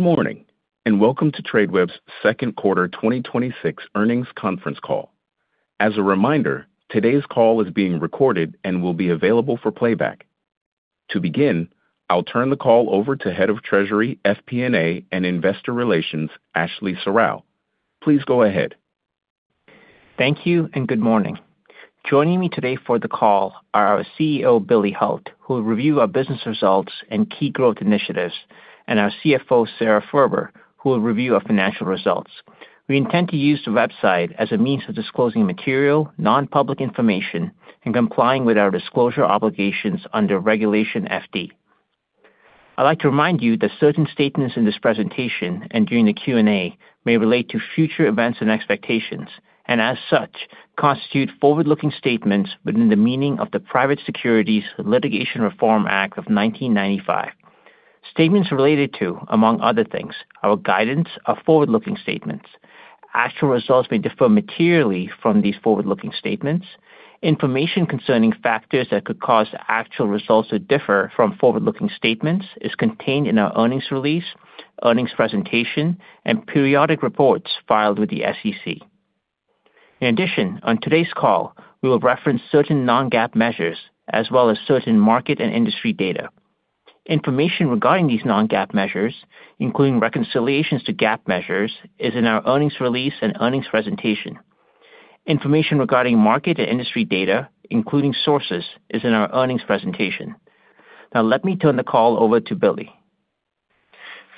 Good morning, and welcome to Tradeweb's second quarter 2026 earnings conference call. As a reminder, today's call is being recorded and will be available for playback. To begin, I'll turn the call over to Head of Treasury, FP&A, and Investor Relations, Ashley Serrao. Please go ahead. Thank you. Good morning. Joining me today for the call are our CEO, Billy Hult, who will review our business results and key growth initiatives, and our CFO, Sara Furber, who will review our financial results. We intend to use the website as a means of disclosing material, non-public information and complying with our disclosure obligations under Regulation FD. I'd like to remind you that certain statements in this presentation and during the Q&A may relate to future events and expectations, and as such, constitute forward-looking statements within the meaning of the Private Securities Litigation Reform Act of 1995. Statements related to, among other things, our guidance are forward-looking statements. Actual results may differ materially from these forward-looking statements. Information concerning factors that could cause actual results to differ from forward-looking statements is contained in our earnings release, earnings presentation, and periodic reports filed with the SEC. In addition, on today's call, we will reference certain non-GAAP measures, as well as certain market and industry data. Information regarding these non-GAAP measures, including reconciliations to GAAP measures, is in our earnings release and earnings presentation. Information regarding market and industry data, including sources, is in our earnings presentation. Now let me turn the call over to Billy.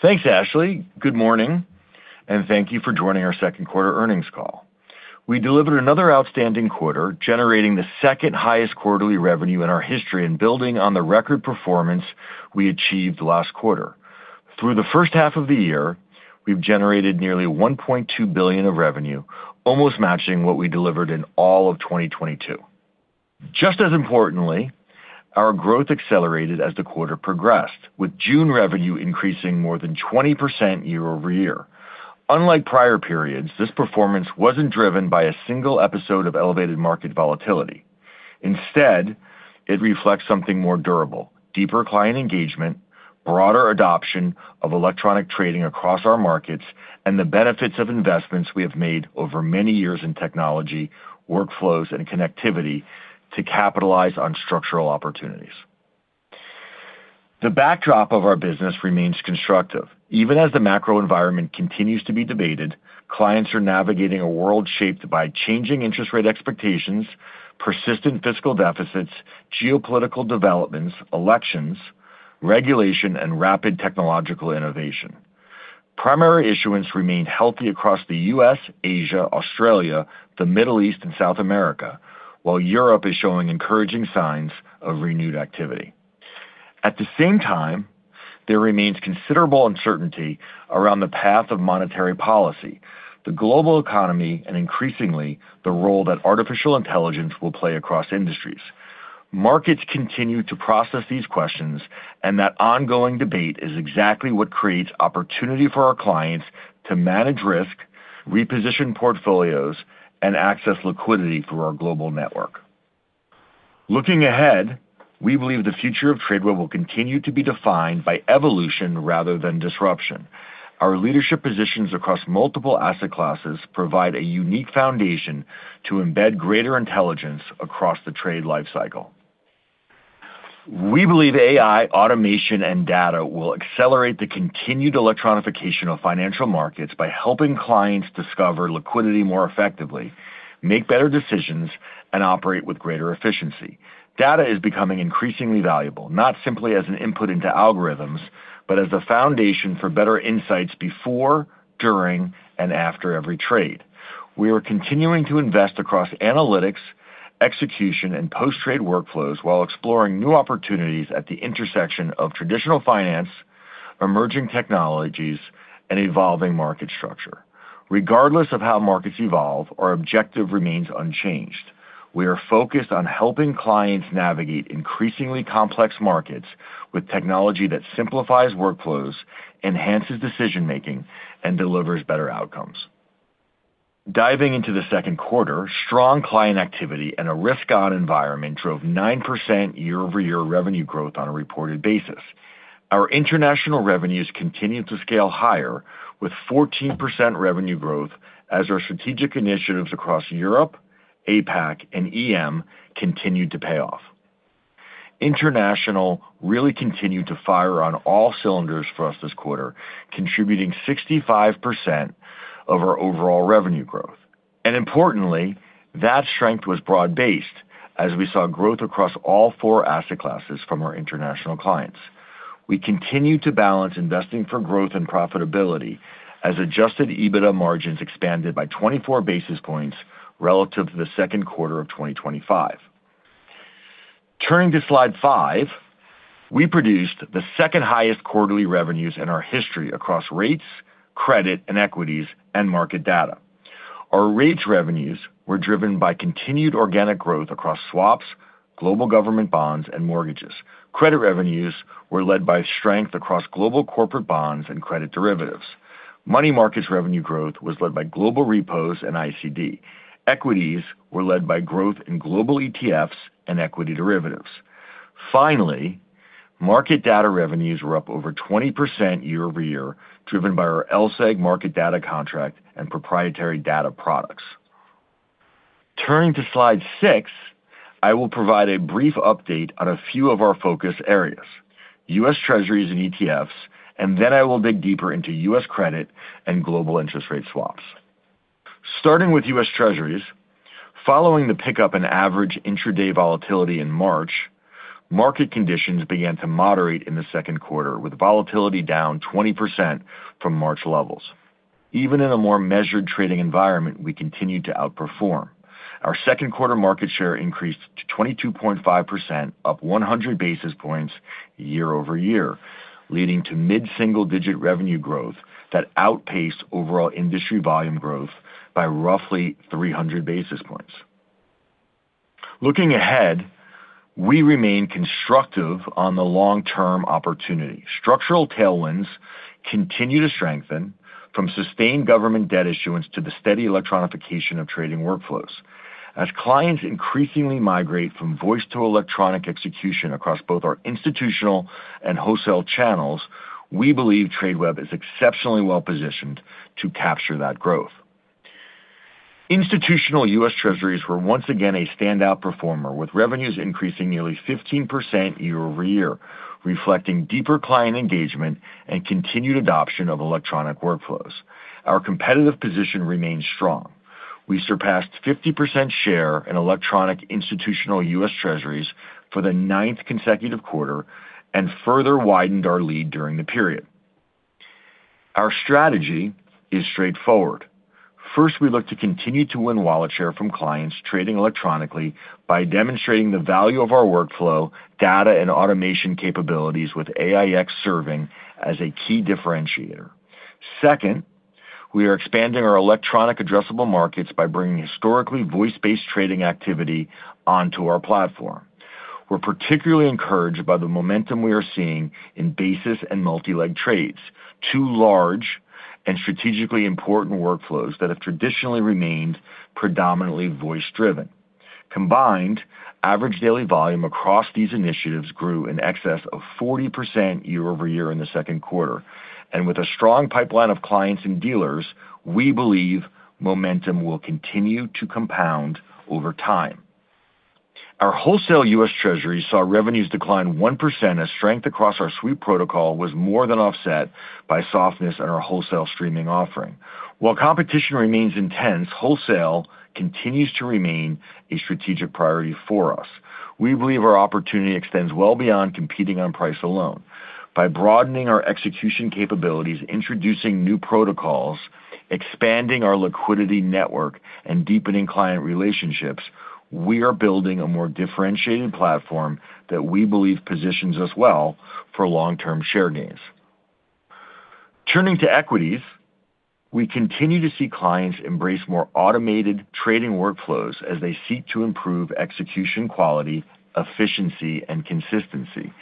Thanks, Ashley. Good morning. Thank you for joining our second quarter earnings call. We delivered another outstanding quarter, generating the second-highest quarterly revenue in our history and building on the record performance we achieved last quarter. Through the first half of the year, we've generated nearly $1.2 billion of revenue, almost matching what we delivered in all of 2022. Just as importantly, our growth accelerated as the quarter progressed, with June revenue increasing more than 20% year-over-year. Unlike prior periods, this performance wasn't driven by a single episode of elevated market volatility. Instead, it reflects something more durable, deeper client engagement, broader adoption of electronic trading across our markets, and the benefits of investments we have made over many years in technology, workflows, and connectivity to capitalize on structural opportunities. The backdrop of our business remains constructive. Even as the macro environment continues to be debated, clients are navigating a world shaped by changing interest rate expectations, persistent fiscal deficits, geopolitical developments, elections, regulation, and rapid technological innovation. Primary issuance remained healthy across the U.S., Asia, Australia, the Middle East, and South America. While Europe is showing encouraging signs of renewed activity. At the same time, there remains considerable uncertainty around the path of monetary policy, the global economy, and increasingly, the role that artificial intelligence will play across industries. Markets continue to process these questions, that ongoing debate is exactly what creates opportunity for our clients to manage risk, reposition portfolios, and access liquidity through our global network. Looking ahead, we believe the future of Tradeweb will continue to be defined by evolution rather than disruption. Our leadership positions across multiple asset classes provide a unique foundation to embed greater intelligence across the trade life cycle. We believe AI, automation, and data will accelerate the continued electronification of financial markets by helping clients discover liquidity more effectively, make better decisions, and operate with greater efficiency. Data is becoming increasingly valuable, not simply as an input into algorithms, but as the foundation for better insights before, during, and after every trade. We are continuing to invest across analytics, execution, and post-trade workflows while exploring new opportunities at the intersection of traditional finance, emerging technologies, and evolving market structure. Regardless of how markets evolve, our objective remains unchanged. We are focused on helping clients navigate increasingly complex markets with technology that simplifies workflows, enhances decision-making, and delivers better outcomes. Diving into the second quarter, strong client activity and a risk-on environment drove 9% year-over-year revenue growth on a reported basis. Our international revenues continued to scale higher, with 14% revenue growth as our strategic initiatives across Europe, APAC, and EM continued to pay off. International really continued to fire on all cylinders for us this quarter, contributing 65% of our overall revenue growth. Importantly, that strength was broad-based as we saw growth across all four asset classes from our international clients. We continued to balance investing for growth and profitability as adjusted EBITDA margins expanded by 24 basis points relative to the second quarter of 2025. Turning to slide five, we produced the second-highest quarterly revenues in our history across rates, credit, and equities, and market data. Our rates revenues were driven by continued organic growth across swaps, global government bonds, and mortgages. Credit revenues were led by strength across global corporate bonds and credit derivatives. Money markets revenue growth was led by global repos and ICD. Equities were led by growth in global ETFs and equity derivatives. Finally, market data revenues were up over 20% year-over-year, driven by our LSEG market data contract and proprietary data products. Turning to slide six, I will provide a brief update on a few of our focus areas, U.S. Treasuries and ETFs, then I will dig deeper into U.S. credit and global interest rate swaps. Starting with U.S. Treasuries, following the pickup in average intraday volatility in March, market conditions began to moderate in the second quarter with volatility down 20% from March levels. Even in a more measured trading environment, we continued to outperform. Our second quarter market share increased to 22.5%, up 100 basis points year-over-year, leading to mid-single-digit revenue growth that outpaced overall industry volume growth by roughly 300 basis points. Looking ahead, we remain constructive on the long-term opportunity. Structural tailwinds continue to strengthen from sustained government debt issuance to the steady electronification of trading workflows. As clients increasingly migrate from voice to electronic execution across both our institutional and wholesale channels, we believe Tradeweb is exceptionally well-positioned to capture that growth. Institutional U.S. Treasuries were once again a standout performer, with revenues increasing nearly 15% year-over-year, reflecting deeper client engagement and continued adoption of electronic workflows. Our competitive position remains strong. We surpassed 50% share in electronic institutional U.S. Treasuries for the ninth consecutive quarter and further widened our lead during the period. Our strategy is straightforward. First, we look to continue to win wallet share from clients trading electronically by demonstrating the value of our workflow, data, and automation capabilities with AiEX serving as a key differentiator. Second, we are expanding our electronic addressable markets by bringing historically voice-based trading activity onto our platform. We're particularly encouraged by the momentum we are seeing in basis and multi-leg trades, two large and strategically important workflows that have traditionally remained predominantly voice-driven. Combined, average daily volume across these initiatives grew in excess of 40% year-over-year in the second quarter. With a strong pipeline of clients and dealers, we believe momentum will continue to compound over time. Our wholesale U.S. Treasuries saw revenues decline 1% as strength across our Sweep protocol was more than offset by softness in our wholesale streaming offering. While competition remains intense, wholesale continues to remain a strategic priority for us. We believe our opportunity extends well beyond competing on price alone. By broadening our execution capabilities, introducing new protocols, expanding our liquidity network, and deepening client relationships, we are building a more differentiating platform that we believe positions us well for long-term share gains. Turning to equities, we continue to see clients embrace more automated trading workflows as they seek to improve execution quality, efficiency, and consistency.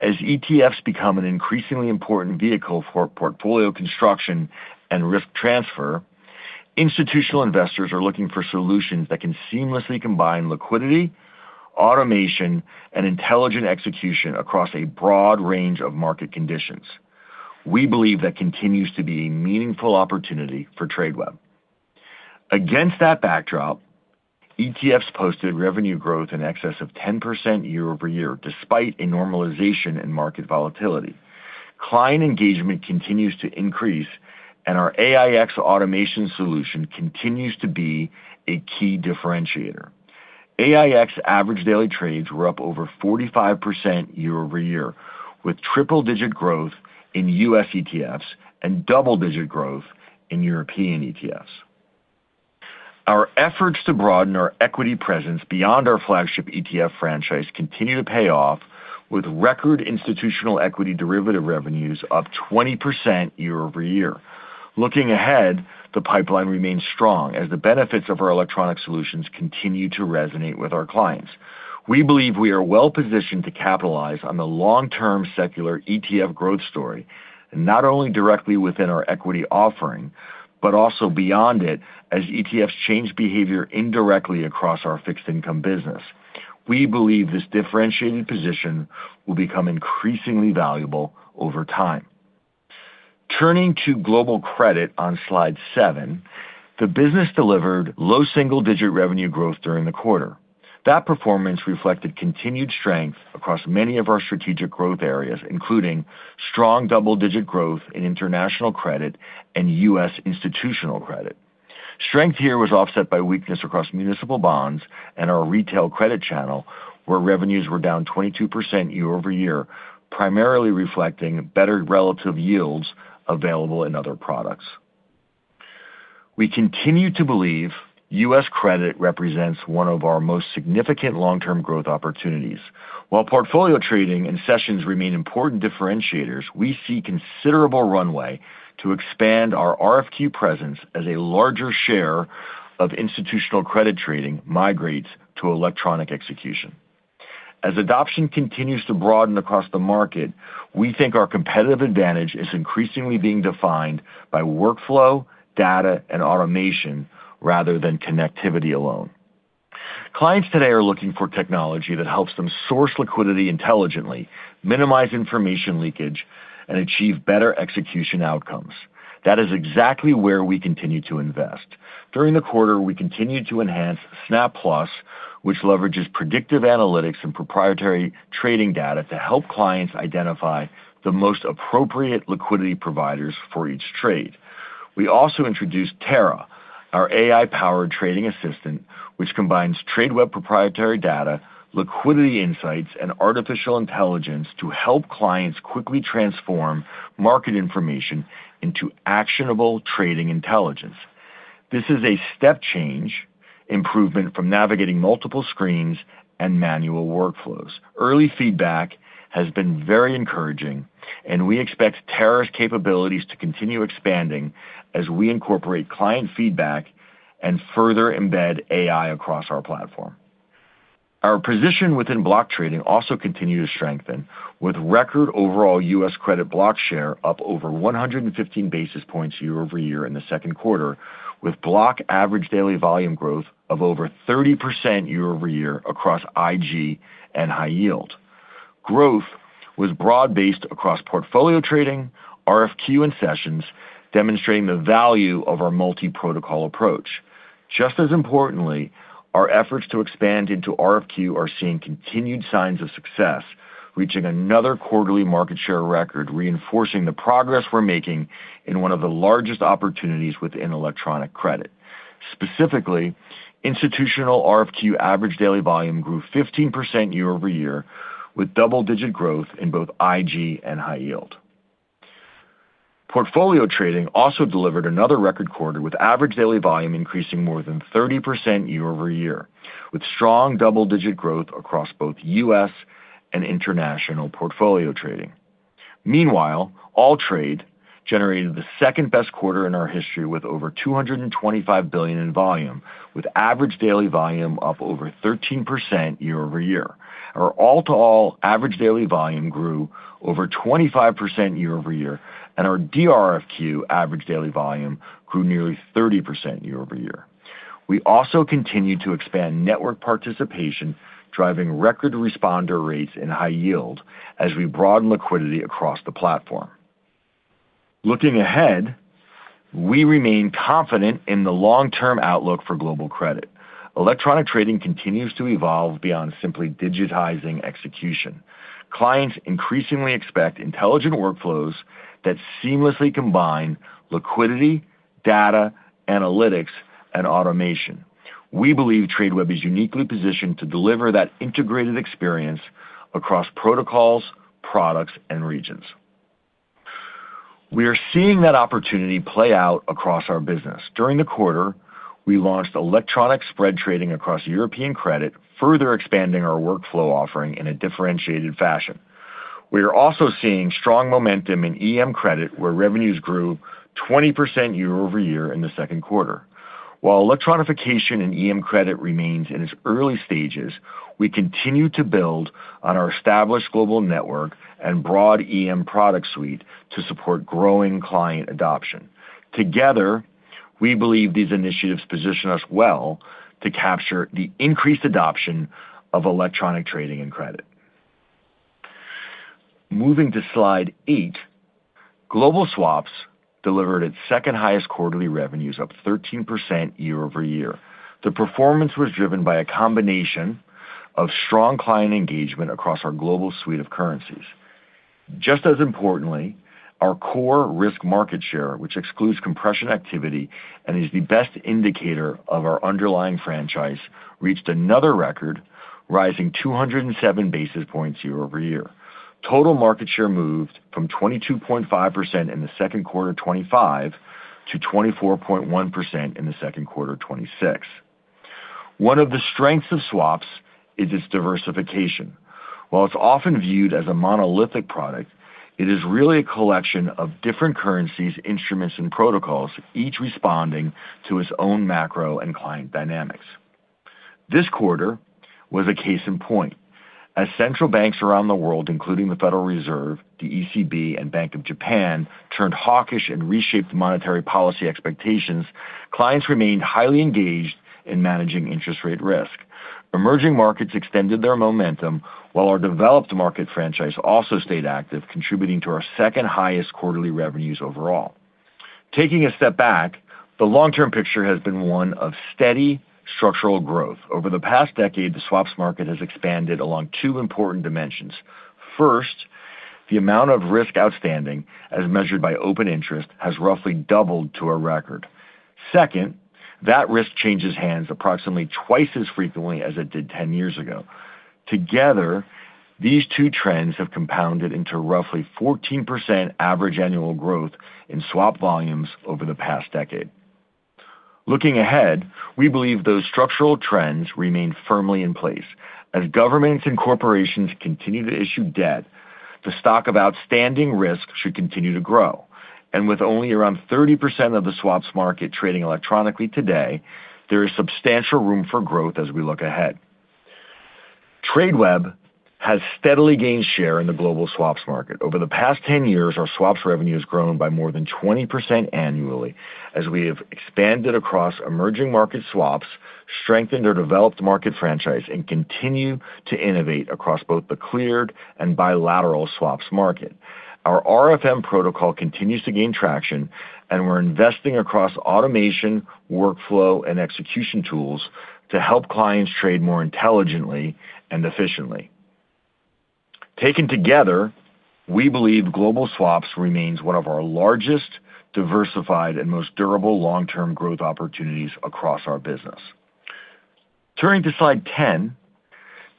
As ETFs become an increasingly important vehicle for portfolio construction and risk transfer, institutional investors are looking for solutions that can seamlessly combine liquidity, automation, and intelligent execution across a broad range of market conditions. We believe that continues to be a meaningful opportunity for Tradeweb. Against that backdrop, ETFs posted revenue growth in excess of 10% year-over-year, despite a normalization in market volatility. Client engagement continues to increase, and our AiEX automation solution continues to be a key differentiator. AiEX average daily trades were up over 45% year-over-year, with triple-digit growth in U.S. ETFs and double-digit growth in European ETFs. Our efforts to broaden our equity presence beyond our flagship ETF franchise continue to pay off with record institutional equity derivative revenues up 20% year-over-year. Looking ahead, the pipeline remains strong as the benefits of our electronic solutions continue to resonate with our clients. We believe we are well-positioned to capitalize on the long-term secular ETF growth story, not only directly within our equity offering, but also beyond it as ETFs change behavior indirectly across our fixed income business. We believe this differentiating position will become increasingly valuable over time. Turning to global credit on slide seven, the business delivered low single-digit revenue growth during the quarter. That performance reflected continued strength across many of our strategic growth areas, including strong double-digit growth in international credit and U.S. institutional credit. Strength here was offset by weakness across municipal bonds and our retail credit channel, where revenues were down 22% year-over-year, primarily reflecting better relative yields available in other products. We continue to believe U.S. credit represents one of our most significant long-term growth opportunities. While portfolio trading and sessions remain important differentiators, we see considerable runway to expand our RFQ presence as a larger share of institutional credit trading migrates to electronic execution. As adoption continues to broaden across the market, we think our competitive advantage is increasingly being defined by workflow, data, and automation rather than connectivity alone. Clients today are looking for technology that helps them source liquidity intelligently, minimize information leakage, and achieve better execution outcomes. That is exactly where we continue to invest. During the quarter, we continued to enhance SNAP+, which leverages predictive analytics and proprietary trading data to help clients identify the most appropriate liquidity providers for each trade. We also introduced TARA, our AI-powered trading assistant, which combines Tradeweb proprietary data, liquidity insights, and artificial intelligence to help clients quickly transform market information into actionable trading intelligence. This is a step-change improvement from navigating multiple screens and manual workflows. Early feedback has been very encouraging, and we expect TARA's capabilities to continue expanding as we incorporate client feedback and further embed AI across our platform. Our position within block trading also continued to strengthen with record overall U.S. credit block share up over 115 basis points year-over-year in the second quarter, with block average daily volume growth of over 30% year-over-year across IG and high yield. Growth was broad-based across portfolio trading, RFQ and sessions, demonstrating the value of our multi-protocol approach. Just as importantly, our efforts to expand into RFQ are seeing continued signs of success, reaching another quarterly market share record, reinforcing the progress we're making in one of the largest opportunities within electronic credit. Specifically, institutional RFQ average daily volume grew 15% year-over-year, with double-digit growth in both IG and high yield. Portfolio trading also delivered another record quarter, with average daily volume increasing more than 30% year-over-year, with strong double-digit growth across both U.S. and international portfolio trading. Meanwhile, AllTrade generated the second-best quarter in our history with over $225 billion in volume, with average daily volume up over 13% year-over-year. Our all-to-all average daily volume grew over 25% year-over-year, and our DRFQ average daily volume grew nearly 30% year-over-year. We also continued to expand network participation, driving record responder rates and high yield as we broaden liquidity across the platform. Looking ahead, we remain confident in the long-term outlook for global credit. Electronic trading continues to evolve beyond simply digitizing execution. Clients increasingly expect intelligent workflows that seamlessly combine liquidity, data, analytics, and automation. We believe Tradeweb is uniquely positioned to deliver that integrated experience across protocols, products, and regions. We are seeing that opportunity play out across our business. During the quarter, we launched electronic spread trading across European credit, further expanding our workflow offering in a differentiated fashion. We are also seeing strong momentum in EM credit, where revenues grew 20% year-over-year in the second quarter. While electronification in EM credit remains in its early stages, we continue to build on our established global network and broad EM product suite to support growing client adoption. Together, we believe these initiatives position us well to capture the increased adoption of electronic trading and credit. Moving to slide eight, Global Swaps delivered its second-highest quarterly revenues, up 13% year-over-year. The performance was driven by a combination of strong client engagement across our global suite of currencies. Just as importantly, our core risk market share, which excludes compression activity and is the best indicator of our underlying franchise, reached another record, rising 207 basis points year-over-year. Total market share moved from 22.5% in the second quarter of 2025 to 24.1% in the second quarter of 2026. One of the strengths of swaps is its diversification. While it's often viewed as a monolithic product, it is really a collection of different currencies, instruments, and protocols, each responding to its own macro and client dynamics. This quarter was a case in point. As central banks around the world, including the Federal Reserve, the ECB, and Bank of Japan, turned hawkish and reshaped monetary policy expectations, clients remained highly engaged in managing interest rate risk. Emerging markets extended their momentum while our developed market franchise also stayed active, contributing to our second-highest quarterly revenues overall. Taking a step back, the long-term picture has been one of steady structural growth. Over the past decade, the swaps market has expanded along two important dimensions. First, the amount of risk outstanding, as measured by open interest, has roughly doubled to a record. Second, that risk changes hands approximately twice as frequently as it did 10 years ago. Together, these two trends have compounded into roughly 14% average annual growth in swap volumes over the past decade. Looking ahead, we believe those structural trends remain firmly in place. As governments and corporations continue to issue debt, the stock of outstanding risk should continue to grow. With only around 30% of the swaps market trading electronically today, there is substantial room for growth as we look ahead. Tradeweb has steadily gained share in the global swaps market. Over the past 10 years, our swaps revenue has grown by more than 20% annually as we have expanded across emerging market swaps, strengthened our developed market franchise, and continue to innovate across both the cleared and bilateral swaps market. Our RFM protocol continues to gain traction, we're investing across automation, workflow, and execution tools to help clients trade more intelligently and efficiently. Taken together, we believe global swaps remains one of our largest, diversified, and most durable long-term growth opportunities across our business. Turning to slide 10,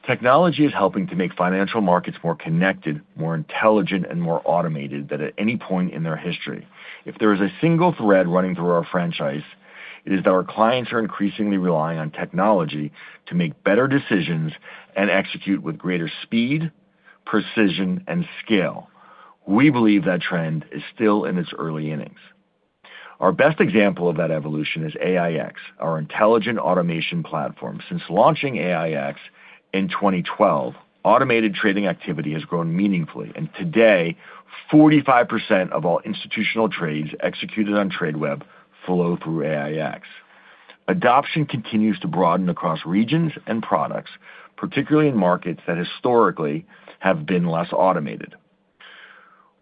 technology is helping to make financial markets more connected, more intelligent, and more automated than at any point in their history. If there is a single thread running through our franchise, it is that our clients are increasingly relying on technology to make better decisions and execute with greater speed, precision, and scale. We believe that trend is still in its early innings. Our best example of that evolution is AiEX, our intelligent automation platform. Since launching AiEX in 2012, automated trading activity has grown meaningfully. Today, 45% of all institutional trades executed on Tradeweb flow through AiEX. Adoption continues to broaden across regions and products, particularly in markets that historically have been less automated.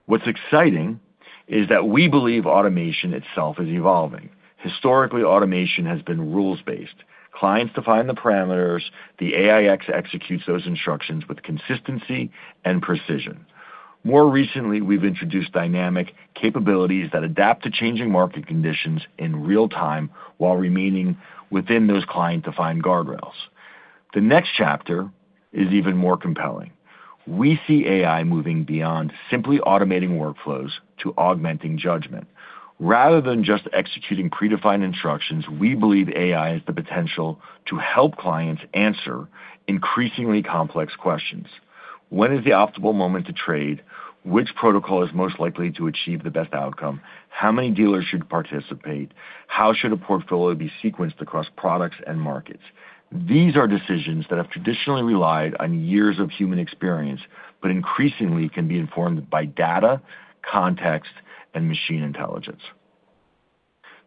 What's exciting is that we believe automation itself is evolving. Historically, automation has been rules-based. Clients define the parameters, the AiEX executes those instructions with consistency and precision. More recently, we've introduced dynamic capabilities that adapt to changing market conditions in real-time, while remaining within those client-defined guardrails. The next chapter is even more compelling. We see AI moving beyond simply automating workflows to augmenting judgment. Rather than just executing predefined instructions, we believe AI has the potential to help clients answer increasingly complex questions. When is the optimal moment to trade? Which protocol is most likely to achieve the best outcome? How many dealers should participate? How should a portfolio be sequenced across products and markets? These are decisions that have traditionally relied on years of human experience, but increasingly can be informed by data, context, and machine intelligence.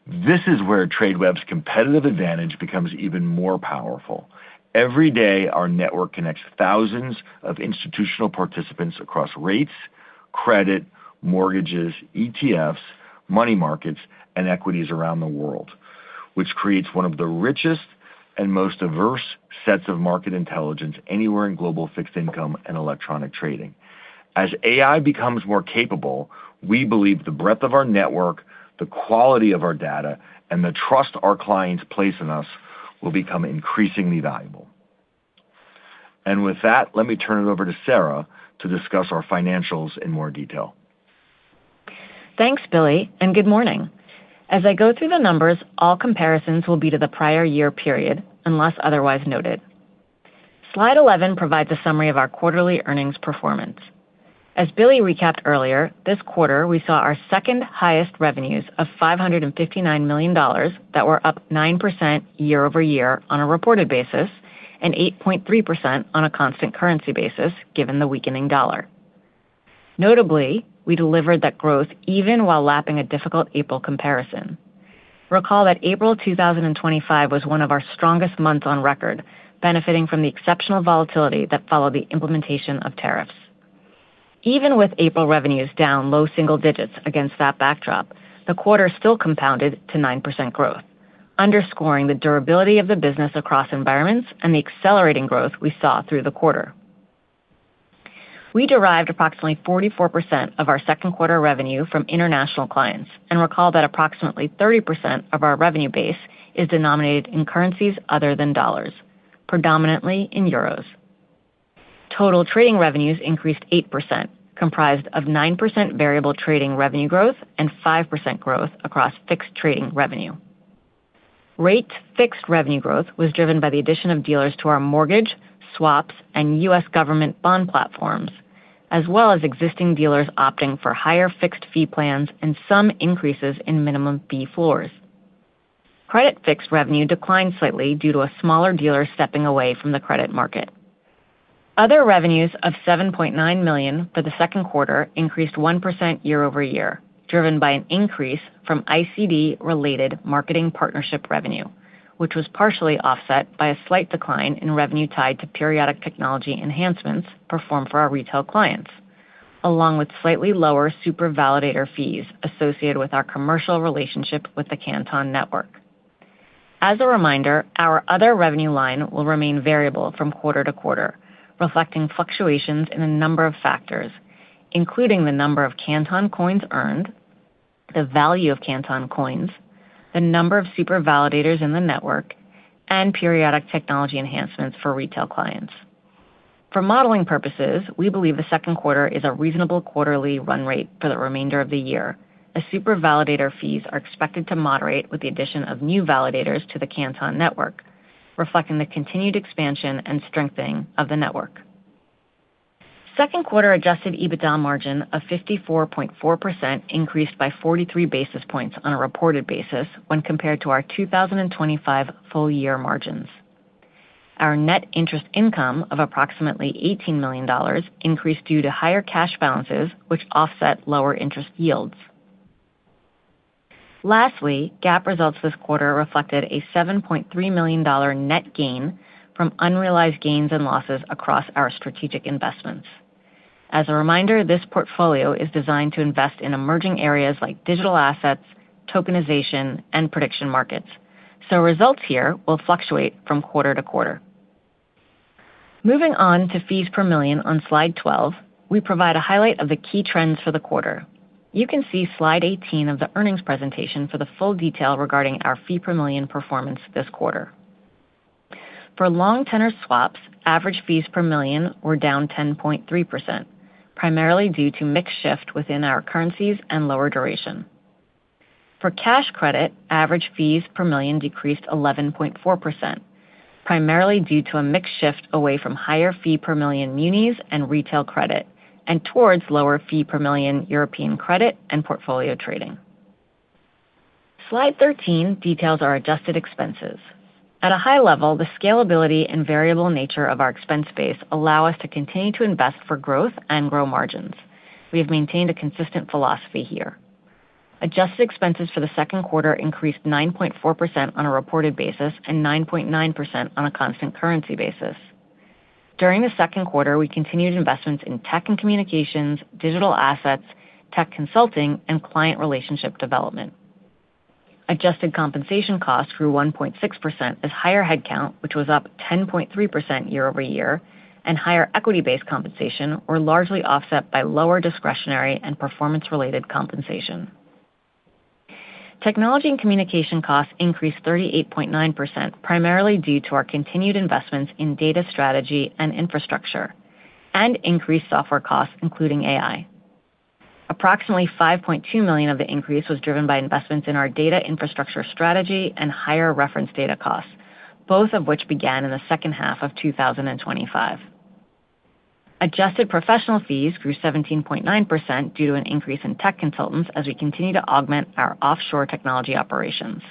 This is where Tradeweb's competitive advantage becomes even more powerful. Every day, our network connects thousands of institutional participants across rates, credit, mortgages, ETFs, money markets, and equities around the world, which creates one of the richest and most diverse sets of market intelligence anywhere in global fixed income and electronic trading. As AI becomes more capable, we believe the breadth of our network, the quality of our data, and the trust our clients place in us will become increasingly valuable. With that, let me turn it over to Sara to discuss our financials in more detail. Thanks, Billy, and good morning. As I go through the numbers, all comparisons will be to the prior year period, unless otherwise noted. Slide 11 provides a summary of our quarterly earnings performance. As Billy recapped earlier, this quarter, we saw our second-highest revenues of $559 million that were up 9% year-over-year on a reported basis and 8.3% on a constant currency basis, given the weakening dollar. Notably, we delivered that growth even while lapping a difficult April comparison. Recall that April 2025 was one of our strongest months on record, benefiting from the exceptional volatility that followed the implementation of tariffs. Even with April revenues down low single digits against that backdrop, the quarter still compounded to 9% growth, underscoring the durability of the business across environments and the accelerating growth we saw through the quarter. We derived approximately 44% of our second quarter revenue from international clients. Recall that approximately 30% of our revenue base is denominated in currencies other than dollars, predominantly in euros. Total trading revenues increased 8%, comprised of 9% variable trading revenue growth and 5% growth across fixed trading revenue. Rate fixed revenue growth was driven by the addition of dealers to our mortgage, swaps, and U.S. government bond platforms, as well as existing dealers opting for higher fixed-fee plans and some increases in minimum fee floors. Credit fixed revenue declined slightly due to a smaller dealer stepping away from the credit market. Other revenues of $7.9 million for the second quarter increased 1% year-over-year, driven by an increase from ICD-related marketing partnership revenue, which was partially offset by a slight decline in revenue tied to periodic technology enhancements performed for our retail clients, along with slightly lower super validator fees associated with our commercial relationship with the Canton Network. As a reminder, our other revenue line will remain variable from quarter to quarter, reflecting fluctuations in a number of factors, including the number of Canton Coin earned, the value of Canton Coin, the number of super validators in the network, and periodic technology enhancements for retail clients. For modeling purposes, we believe the second quarter is a reasonable quarterly run rate for the remainder of the year, as super validator fees are expected to moderate with the addition of new validators to the Canton Network, reflecting the continued expansion and strengthening of the network. Second quarter adjusted EBITDA margin of 54.4%, increased by 43 basis points on a reported basis when compared to our 2025 full year margins. Our net interest income of approximately $18 million increased due to higher cash balances, which offset lower interest yields. Lastly, GAAP results this quarter reflected a $7.3 million net gain from unrealized gains and losses across our strategic investments. As a reminder, this portfolio is designed to invest in emerging areas like digital assets, tokenization, and prediction markets. Results here will fluctuate from quarter to quarter. Moving on to fees per million on slide 12, we provide a highlight of the key trends for the quarter. You can see slide 18 of the earnings presentation for the full detail regarding our fee per million performance this quarter. For long tenor swaps, average fees per million were down 10.3%, primarily due to mix shift within our currencies and lower duration. For cash credit, average fees per million decreased 11.4%, primarily due to a mix shift away from higher fee per million munis and retail credit, and towards lower fee per million European credit and portfolio trading. Slide 13 details our adjusted expenses. At a high level, the scalability and variable nature of our expense base allow us to continue to invest for growth and grow margins. We have maintained a consistent philosophy here. Adjusted expenses for the second quarter increased 9.4% on a reported basis and 9.9% on a constant currency basis. During the second quarter, we continued investments in tech and communications, digital assets, tech consulting, and client relationship development. Adjusted compensation costs grew 1.6% as higher headcount, which was up 10.3% year-over-year, and higher equity-based compensation were largely offset by lower discretionary and performance-related compensation. Technology and communication costs increased 38.9%, primarily due to our continued investments in data strategy and infrastructure and increased software costs, including AI. Approximately $5.2 million of the increase was driven by investments in our data infrastructure strategy and higher reference data costs, both of which began in the second half of 2025. Adjusted professional fees grew 17.9% due to an increase in tech consultants as we continue to augment our offshore technology operations.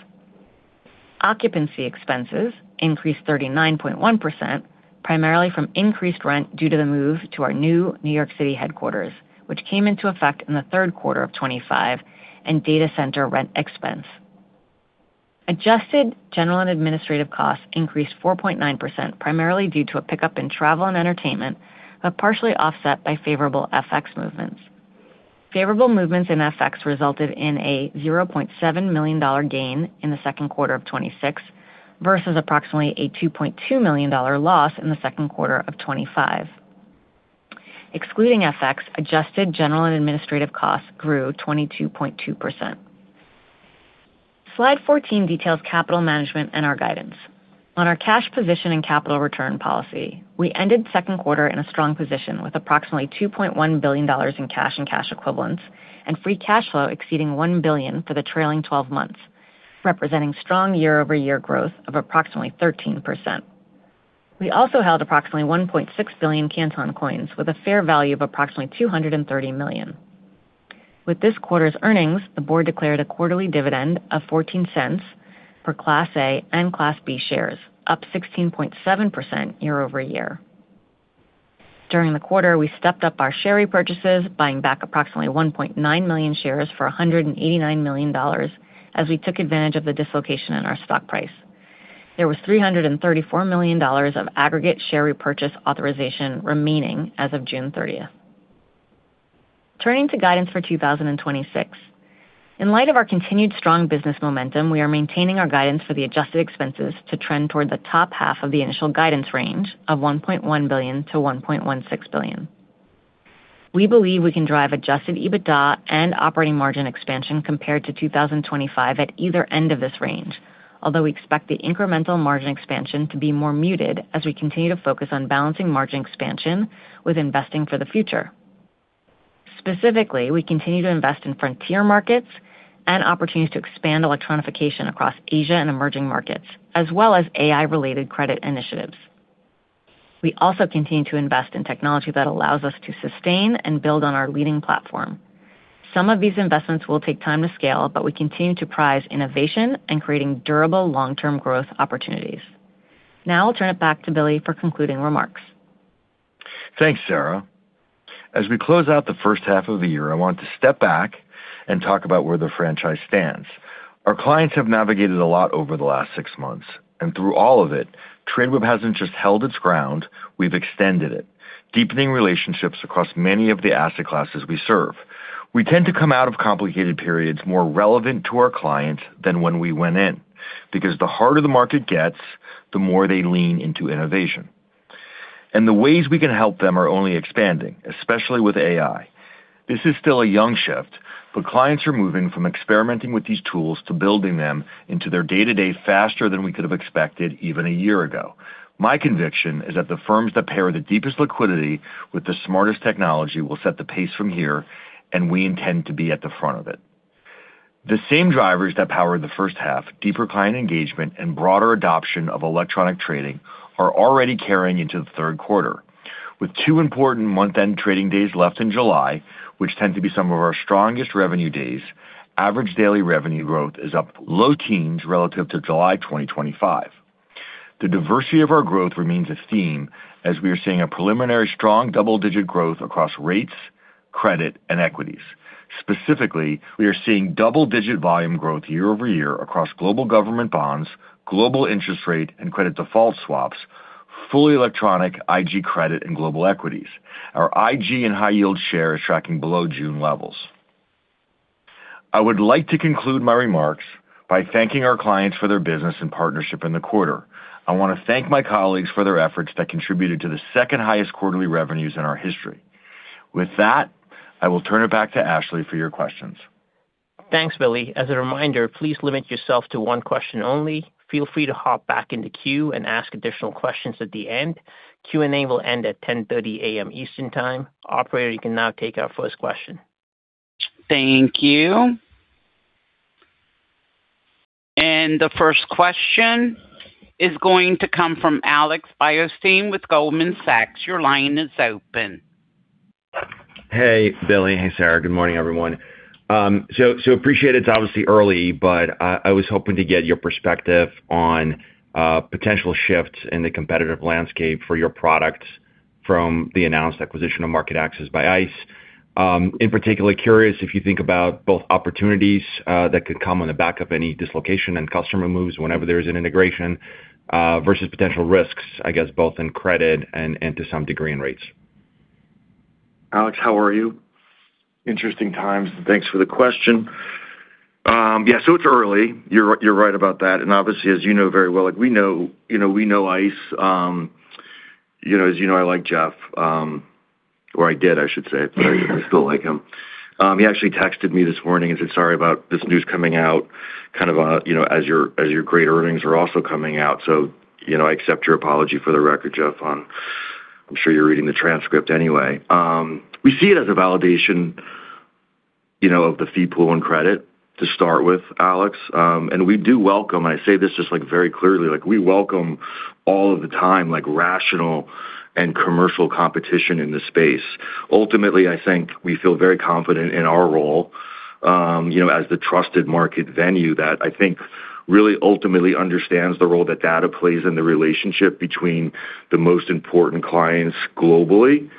Occupancy expenses increased 39.1%, primarily from increased rent due to the move to our new New York City headquarters, which came into effect in the third quarter of 2025, and data center rent expense. Adjusted general and administrative costs increased 4.9%, primarily due to a pickup in travel and entertainment, but partially offset by favorable FX movements. Favorable movements in FX resulted in a $0.7 million gain in the second quarter of 2026 versus approximately a $2.2 million loss in the second quarter of 2025. Excluding FX, adjusted general and administrative costs grew 22.2%. Slide 14 details capital management and our guidance. On our cash position and capital return policy, we ended second quarter in a strong position with approximately $2.1 billion in cash and cash equivalents and free cash flow exceeding $1 billion for the trailing 12 months, representing strong year-over-year growth of approximately 13%. We also held approximately 1.6 billion Canton Coin with a fair value of approximately $230 million. With this quarter's earnings, the board declared a quarterly dividend of $0.14 for Class A and Class B shares, up 16.7% year-over-year. During the quarter, we stepped up our share repurchases, buying back approximately 1.9 million shares for $189 million as we took advantage of the dislocation in our stock price. There was $334 million of aggregate share repurchase authorization remaining as of June 30th. Turning to guidance for 2026. In light of our continued strong business momentum, we are maintaining our guidance for the adjusted expenses to trend toward the top half of the initial guidance range of $1.1 billion-$1.16 billion. We believe we can drive adjusted EBITDA and operating margin expansion compared to 2025 at either end of this range. Although we expect the incremental margin expansion to be more muted as we continue to focus on balancing margin expansion with investing for the future. Specifically, we continue to invest in frontier markets and opportunities to expand electronification across Asia and emerging markets, as well as AI-related credit initiatives. We also continue to invest in technology that allows us to sustain and build on our leading platform. Some of these investments will take time to scale, but we continue to prize innovation and creating durable long-term growth opportunities. Now I'll turn it back to Billy for concluding remarks. Thanks, Sara. As we close out the first half of the year, I want to step back and talk about where the franchise stands. Our clients have navigated a lot over the last six months, and through all of it, Tradeweb hasn't just held its ground, we've extended it, deepening relationships across many of the asset classes we serve. We tend to come out of complicated periods more relevant to our clients than when we went in. Because the harder the market gets, the more they lean into innovation. The ways we can help them are only expanding, especially with AI. This is still a young shift, but clients are moving from experimenting with these tools to building them into their day-to-day faster than we could have expected even a year ago. My conviction is that the firms that pair the deepest liquidity with the smartest technology will set the pace from here, and we intend to be at the front of it. The same drivers that powered the first half, deeper client engagement and broader adoption of electronic trading, are already carrying into the third quarter. With two important month-end trading days left in July, which tend to be some of our strongest revenue days, average daily revenue growth is up low teens relative to July 2025. The diversity of our growth remains a theme as we are seeing a preliminary strong double-digit growth across rates, credit, and equities. Specifically, we are seeing double-digit volume growth year-over-year across global government bonds, global interest rate and credit default swaps, fully electronic IG credit and global equities. Our IG and high-yield share is tracking below June levels. I would like to conclude my remarks by thanking our clients for their business and partnership in the quarter. I want to thank my colleagues for their efforts that contributed to the second highest quarterly revenues in our history. With that, I will turn it back to Ashley for your questions. Thanks, Billy. As a reminder, please limit yourself to one question only. Feel free to hop back in the queue and ask additional questions at the end. Q&A will end at 10:30 A.M. Eastern Time. Operator, you can now take our first question. Thank you. The first question is going to come from Alex Blostein with Goldman Sachs. Your line is open. Hey, Billy. Hey, Sara. Good morning, everyone. Appreciate it's obviously early, but I was hoping to get your perspective on potential shifts in the competitive landscape for your products from the announced acquisition of MarketAxess by ICE. In particular, curious if you think about both opportunities that could come on the back of any dislocation and customer moves whenever there's an integration, versus potential risks, I guess, both in credit and to some degree, in rates. Alex, how are you? Interesting times. Thanks for the question. Yeah. It's early. You're right about that. Obviously, as you know very well, we know ICE. As you know, I like Jeff. Or I did, I should say. I still like him. He actually texted me this morning and said, "Sorry about this news coming out as your great earnings are also coming out." I accept your apology for the record, Jeff. I'm sure you're reading the transcript anyway. We see it as a validation of the fee pool and credit to start with, Alex. We do welcome, and I say this just very clearly, we welcome all of the time, rational and commercial competition in the space. Ultimately, I think we feel very confident in our role, as the trusted market venue that I think really ultimately understands the role that data plays in the relationship between the most important clients globally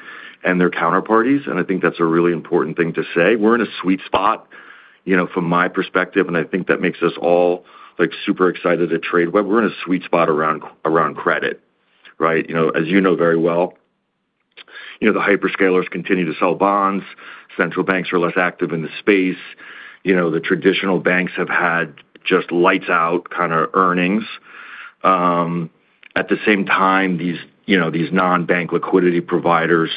and their counterparties, and I think that's a really important thing to say. We're in a sweet spot from my perspective, and I think that makes us all super excited at Tradeweb. We're in a sweet spot around credit. As you know very well, the hyperscalers continue to sell bonds. Central banks are less active in the space. The traditional banks have had just lights out kind of earnings. At the same time, these non-bank liquidity providers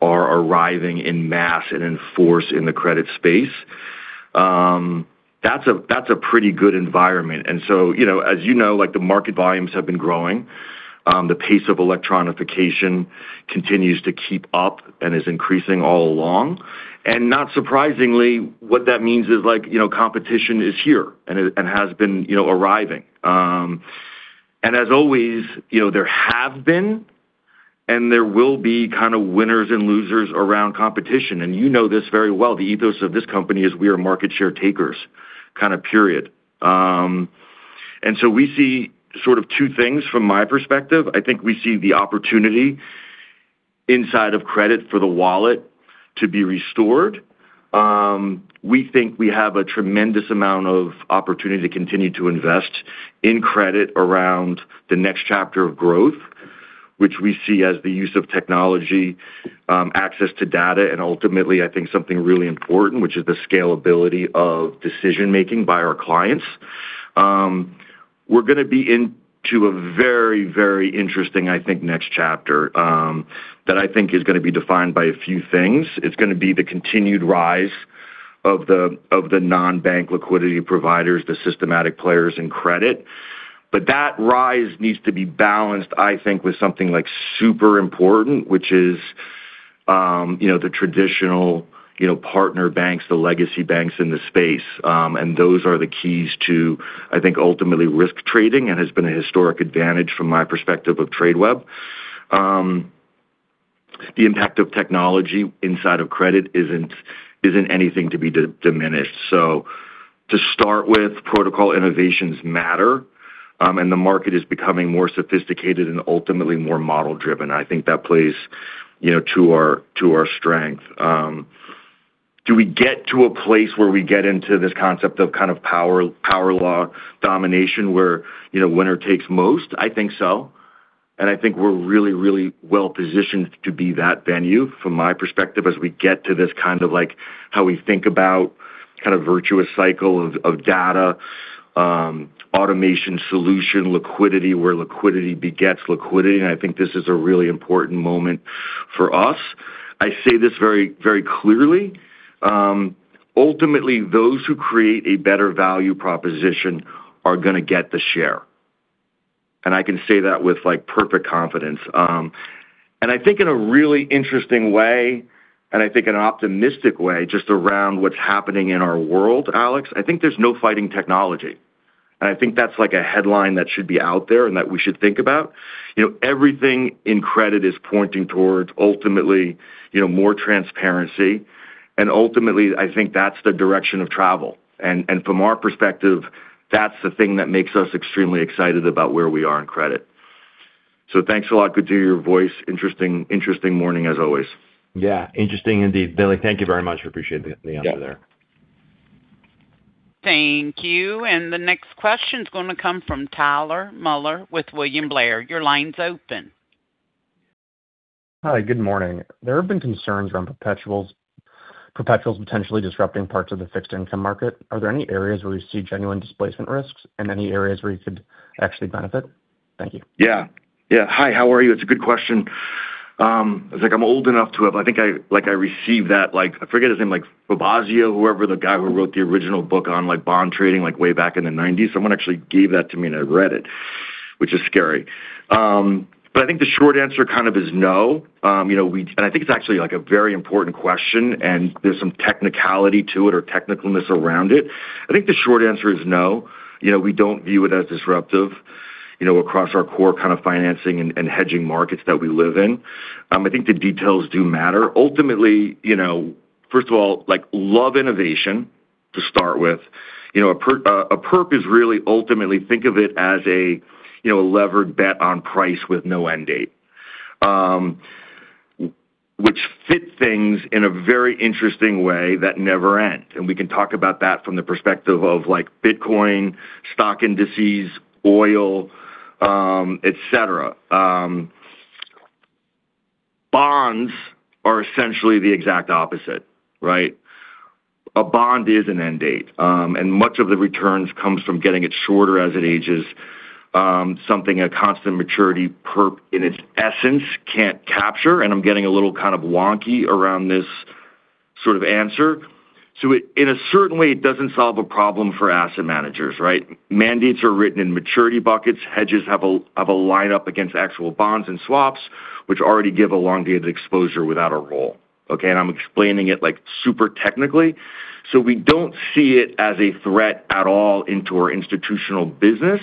are arriving en masse and in force in the credit space. That's a pretty good environment. As you know, the market volumes have been growing. The pace of electronification continues to keep up and is increasing all along. Not surprisingly, what that means is competition is here and has been arriving. As always, there have been, and there will be winners and losers around competition. You know this very well. The ethos of this company is we are market share takers, period. We see sort of two things from my perspective. I think we see the opportunity inside of credit for the wallet to be restored. We think we have a tremendous amount of opportunity to continue to invest in credit around the next chapter of growth, which we see as the use of technology, access to data, and ultimately, I think something really important, which is the scalability of decision-making by our clients. We're going to be into a very interesting, I think, next chapter, that I think is going to be defined by a few things. It's going to be the continued rise of the non-bank liquidity providers, the systematic players in credit. That rise needs to be balanced, I think, with something super important, which is the traditional partner banks, the legacy banks in the space. Those are the keys to, I think, ultimately risk trading and has been a historic advantage from my perspective of Tradeweb. The impact of technology inside of credit isn't anything to be diminished. To start with, protocol innovations matter, and the market is becoming more sophisticated and ultimately more model-driven. I think that plays to our strength. Do we get to a place where we get into this concept of kind of power law domination where winner takes most? I think so. I think we're really well-positioned to be that venue, from my perspective, as we get to this kind of how we think about kind of virtuous cycle of data, automation solution liquidity, where liquidity begets liquidity, and I think this is a really important moment for us. I say this very clearly. Ultimately, those who create a better value proposition are going to get the share. I can say that with perfect confidence. I think in a really interesting way, and I think in an optimistic way, just around what's happening in our world, Alex, I think there's no fighting technology. I think that's a headline that should be out there, and that we should think about. Everything in credit is pointing towards ultimately more transparency. Ultimately, I think that's the direction of travel. From our perspective, that's the thing that makes us extremely excited about where we are in credit. Thanks a lot. Good to hear your voice. Interesting morning, as always. Yeah, interesting indeed. Billy, thank you very much. We appreciate the answer there. Thank you. The next question's going to come from Tyler Mulier with William Blair. Your line's open. Hi. Good morning. There have been concerns around perpetuals potentially disrupting parts of the fixed income market. Are there any areas where we see genuine displacement risks and any areas where you could actually benefit? Thank you. Yeah. Hi, how are you? It's a good question. I think I'm old enough to have received that, I forget his name, Fabozzi, whoever the guy who wrote the original book on bond trading way back in the '90s. Someone actually gave that to me, and I read it, which is scary. I think the short answer kind of is no. I think it's actually a very important question, and there's some technicality to it or technical-ness around it. I think the short answer is no. We don't view it as disruptive across our core kind of financing and hedging markets that we live in. I think the details do matter. Ultimately, first of all, love innovation to start with. A perp is really ultimately, think of it as a levered bet on price with no end date, which fit things in a very interesting way that never end. We can talk about that from the perspective of Bitcoin, stock indices, oil, et cetera. Bonds are essentially the exact opposite, right? A bond is an end date, and much of the returns comes from getting it shorter as it ages. Something a constant maturity perp, in its essence, can't capture. I'm getting a little kind of wonky around this sort of answer. It certainly doesn't solve a problem for asset managers, right? Mandates are written in maturity buckets. Hedges have a line up against actual bonds and swaps, which already give elongated exposure without a roll. Okay, I'm explaining it super technically. We don't see it as a threat at all into our institutional business.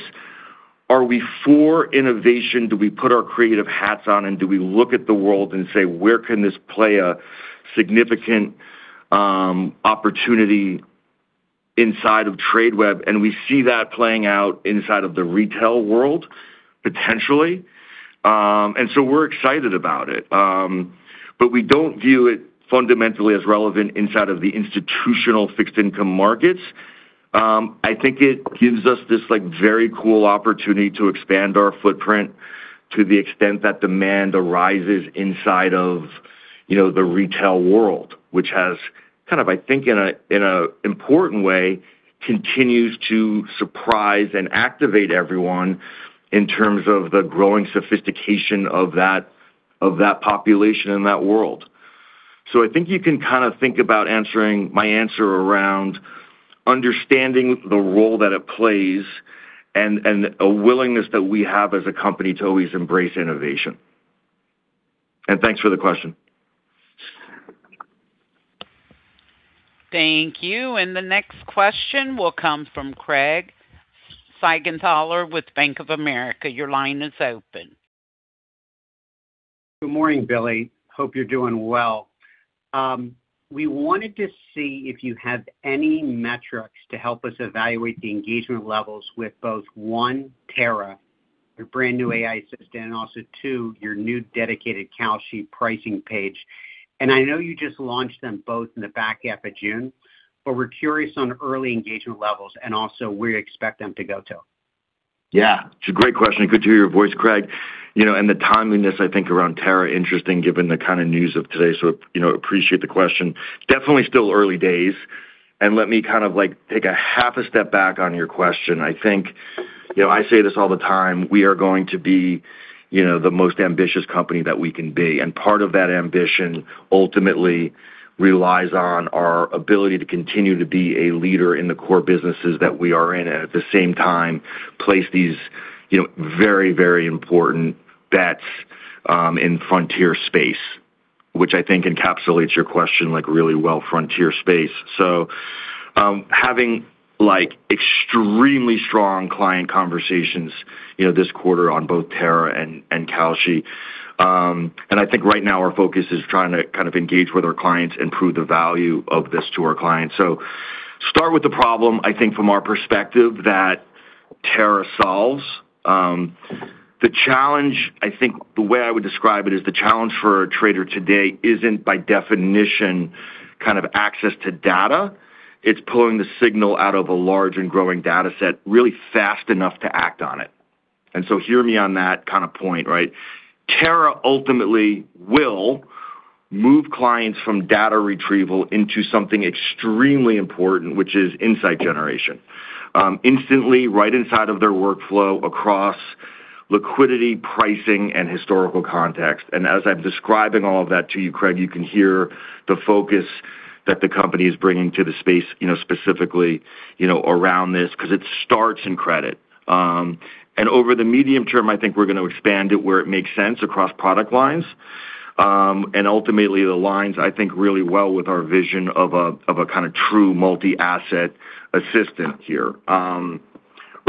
Are we for innovation? Do we put our creative hats on, and do we look at the world and say, "Where can this play a significant opportunity inside of Tradeweb?" We see that playing out inside of the retail world potentially. We're excited about it. We don't view it fundamentally as relevant inside of the institutional fixed income markets. I think it gives us this very cool opportunity to expand our footprint to the extent that demand arises inside of the retail world. Which has kind of, I think, in an important way, continues to surprise and activate everyone in terms of the growing sophistication of that population and that world. I think you can kind of think about answering my answer around understanding the role that it plays, and a willingness that we have as a company to always embrace innovation. Thanks for the question. Thank you. The next question will come from Craig Siegenthaler with Bank of America. Your line is open. Good morning, Billy. Hope you're doing well. We wanted to see if you have any metrics to help us evaluate the engagement levels with both, one, TARA, your brand-new AI assistant, and also two, your new dedicated Kalshi pricing page. I know you just launched them both in the back half of June. We're curious on early engagement levels and also where you expect them to go to. Yeah. It's a great question. Good to hear your voice, Craig. The timeliness, I think, around TARA, interesting given the kind of news of today. Appreciate the question. Definitely still early days. Let me kind of take a half a step back on your question. I say this all the time. We are going to be the most ambitious company that we can be, and part of that ambition ultimately relies on our ability to continue to be a leader in the core businesses that we are in. At the same time, place these very important bets in frontier space, which I think encapsulates your question really well, frontier space. Having extremely strong client conversations this quarter on both TARA and Kalshi. I think right now our focus is trying to kind of engage with our clients and prove the value of this to our clients. Start with the problem, I think from our perspective, that TARA solves. The challenge, I think the way I would describe it is the challenge for a trader today isn't by definition kind of access to data. It's pulling the signal out of a large and growing data set really fast enough to act on it. Hear me on that kind of point, right? TARA ultimately will move clients from data retrieval into something extremely important, which is insight generation. Instantly, right inside of their workflow across liquidity, pricing, and historical context. As I'm describing all of that to you, Craig, you can hear the focus that the company is bringing to the space specifically around this, because it starts in credit. Over the medium term, I think we're going to expand it where it makes sense across product lines. Ultimately, it aligns, I think, really well with our vision of a kind of true multi-asset assistant here.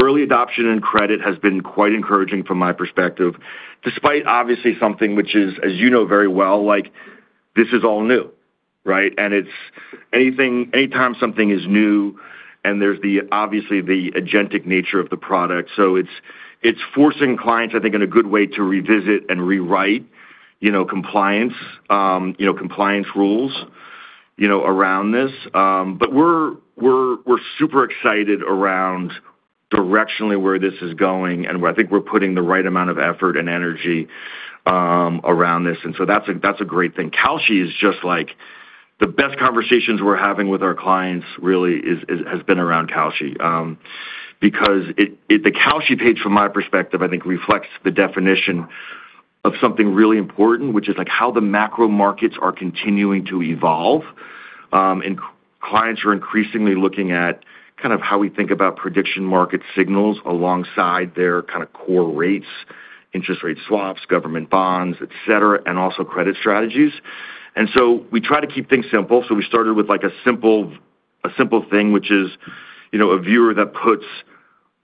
Early adoption and credit has been quite encouraging from my perspective, despite obviously something which is, as you know very well, this is all new, right? Anytime something is new, and there's obviously the agentic nature of the product, so it's forcing clients, I think, in a good way to revisit and rewrite compliance rules around this. We're super excited around directionally where this is going, and I think we're putting the right amount of effort and energy around this. That's a great thing. Kalshi is just like the best conversations we're having with our clients really has been around Kalshi. The Kalshi page, from my perspective, I think reflects the definition of something really important, which is how the macro markets are continuing to evolve. Clients are increasingly looking at kind of how we think about prediction market signals alongside their kind of core rates, interest rate swaps, government bonds, et cetera, and also credit strategies. We try to keep things simple. We started with a simple thing, which is a viewer that puts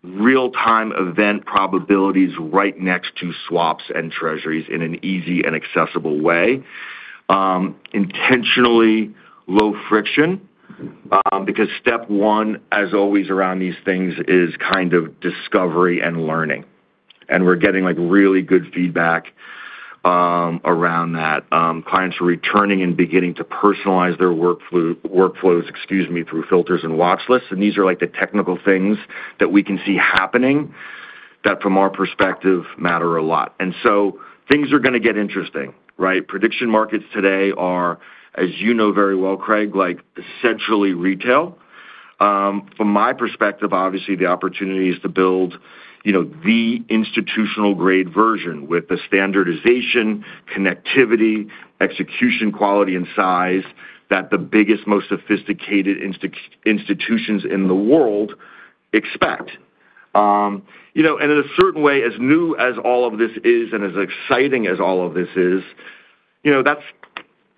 real-time event probabilities right next to swaps and treasuries in an easy and accessible way. Intentionally low friction, because step one, as always around these things, is kind of discovery and learning. We're getting really good feedback around that. Clients are returning and beginning to personalize their workflows, excuse me, through filters and watch lists, and these are the technical things that we can see happening that, from our perspective, matter a lot. Things are going to get interesting, right? Prediction markets today are, as you know very well, Craig, essentially retail. From my perspective, obviously, the opportunity is to build the institutional-grade version with thestandardization, connectivity, execution, quality, and size that the biggest, most sophisticated institutions in the world expect. In a certain way, as new as all of this is and as exciting as all of this is, that's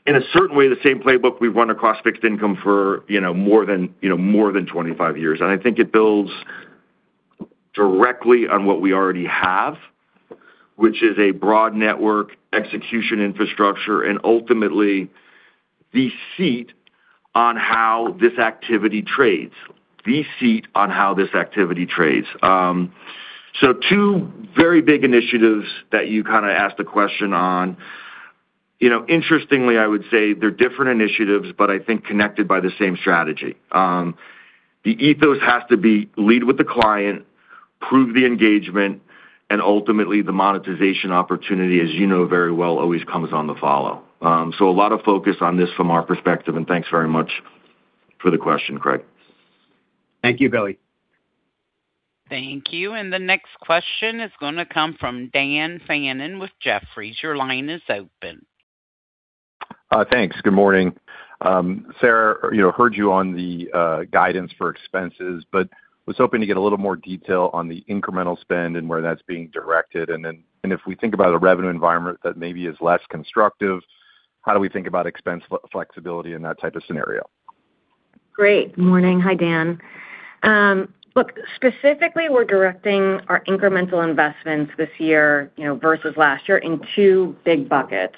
in a certain way the same playbook we've run across fixed income for more than 25 years. I think it builds directly on what we already have, which is a broad network execution infrastructure, and ultimately the seat on how this activity trades. Two very big initiatives that you kind of asked a question on. Interestingly, I would say they're different initiatives, but I think connected by the same strategy. The ethos has to be lead with the client, prove the engagement, and ultimately the monetization opportunity, as you know very well, always comes on the follow. A lot of focus on this from our perspective, and thanks very much for the question, Craig. Thank you, Billy. Thank you. The next question is going to come from Dan Fannon with Jefferies. Your line is open. Thanks. Good morning. Sara, heard you on the guidance for expenses, was hoping to get a little more detail on the incremental spend and where that's being directed. If we think about a revenue environment that maybe is less constructive, how do we think about expense flexibility in that type of scenario? Great. Morning. Hi, Dan. Look, specifically, we're directing our incremental investments this year, versus last year in two big buckets.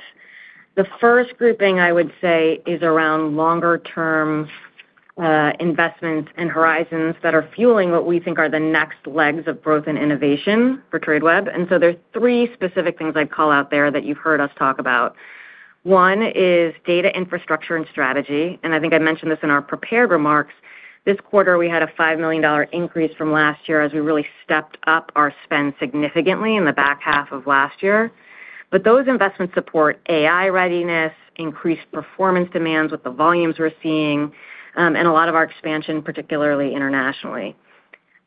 The first grouping, I would say, is around longer-term investments and horizons that are fueling what we think are the next legs of growth and innovation for Tradeweb. There's three specific things I'd call out there that you've heard us talk about. One is data infrastructure and strategy. I think I mentioned this in our prepared remarks. This quarter, we had a $5 million increase from last year as we really stepped up our spend significantly in the back half of last year. Those investments support AI readiness, increased performance demands with the volumes we're seeing, and a lot of our expansion, particularly internationally.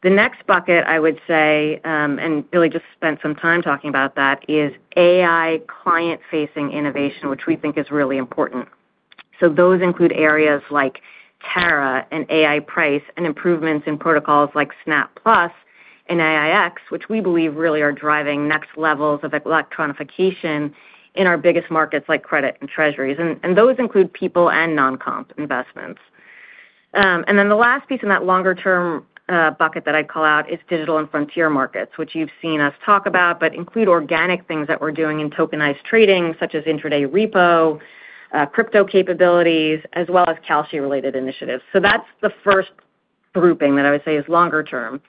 The next bucket, I would say, Billy just spent some time talking about that, is AI client-facing innovation, which we think is really important. Those include areas like TARA and Ai-Price and improvements in protocols like SNAP+ and AiEX, which we believe really are driving next levels of electronification in our biggest markets like credit and treasuries. Those include people and non-comp investments. The last piece in that longer-term bucket that I'd call out is digital and frontier markets, which you've seen us talk about, but include organic things that we're doing in tokenized trading, such as intraday repo, crypto capabilities, as well as Kalshi-related initiatives. That's the first grouping that I would say is longer term.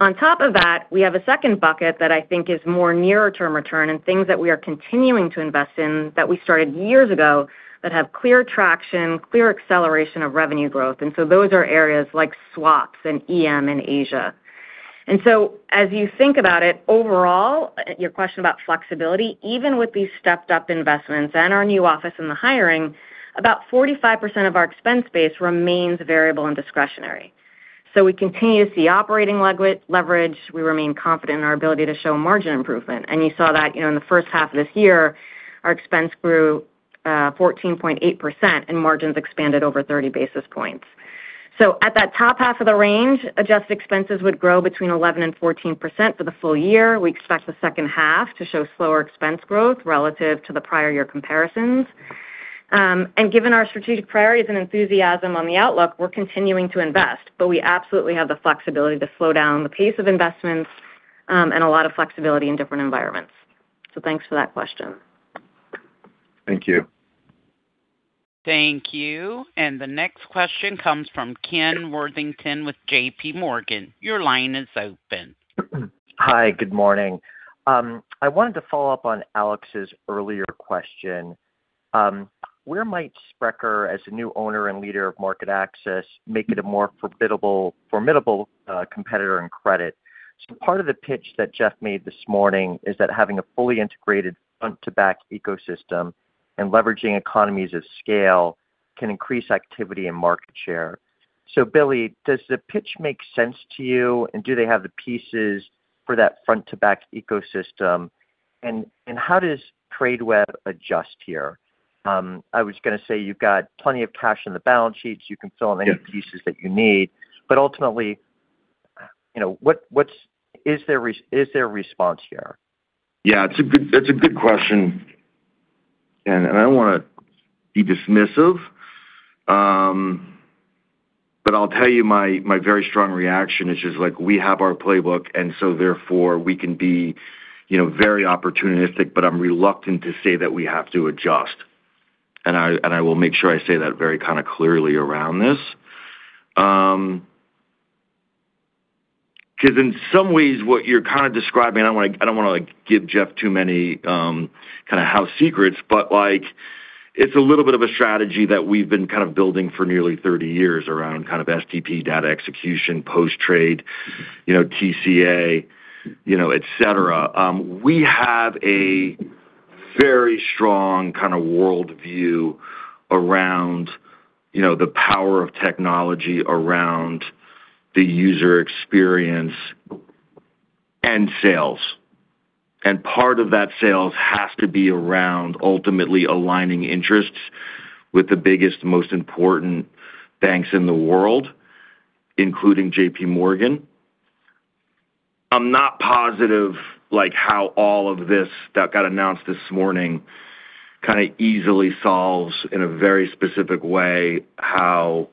On top of that, we have a second bucket that I think is more nearer term return and things that we are continuing to invest in that we started years ago that have clear traction, clear acceleration of revenue growth. Those are areas like swaps and EM in Asia. As you think about it, overall, your question about flexibility, even with these stepped-up investments and our new office and the hiring, about 45% of our expense base remains variable and discretionary. We continue to see operating leverage. We remain confident in our ability to show margin improvement. You saw that in the first half of this year, our expense grew 14.8% and margins expanded over 30 basis points. At that top half of the range, adjusted expenses would grow between 11% and 14% for the full year. We expect the second half to show slower expense growth relative to the prior year comparisons. Given our strategic priorities and enthusiasm on the outlook, we're continuing to invest, but we absolutely have the flexibility to slow down the pace of investments and a lot of flexibility in different environments. Thanks for that question. Thank you. Thank you. The next question comes from Ken Worthington with JPMorgan. Your line is open. Hi, good morning. I wanted to follow up on Alex's earlier question. Where might Sprecher, as the new owner and leader of MarketAxess, make it a more formidable competitor in credit? Part of the pitch that Jeff made this morning is that having a fully integrated front-to-back ecosystem and leveraging economies of scale can increase activity and market share. Billy, does the pitch make sense to you? Do they have the pieces for that front-to-back ecosystem? How does Tradeweb adjust here? I was going to say you've got plenty of cash on the balance sheets. You can fill in any pieces that you need, ultimately, is there a response here? Yeah, that's a good question, Ken, I don't want to be dismissive, but I'll tell you my very strong reaction is just like we have our playbook, therefore we can be very opportunistic, but I'm reluctant to say that we have to adjust. I will make sure I say that very kind of clearly around this. In some ways, what you're kind of describing, I don't want to give Jeff too many kind of house secrets, but it's a little bit of a strategy that we've been kind of building for nearly 30 years around kind of STP data execution, post-trade, TCA, et cetera. We have a very strong kind of worldview around the power of technology, around the user experience, and sales. Part of that sales has to be around ultimately aligning interests with the biggest, most important banks in the world, including JPMorgan. I'm not positive how all of this that got announced this morning kind of easily solves in a very specific way how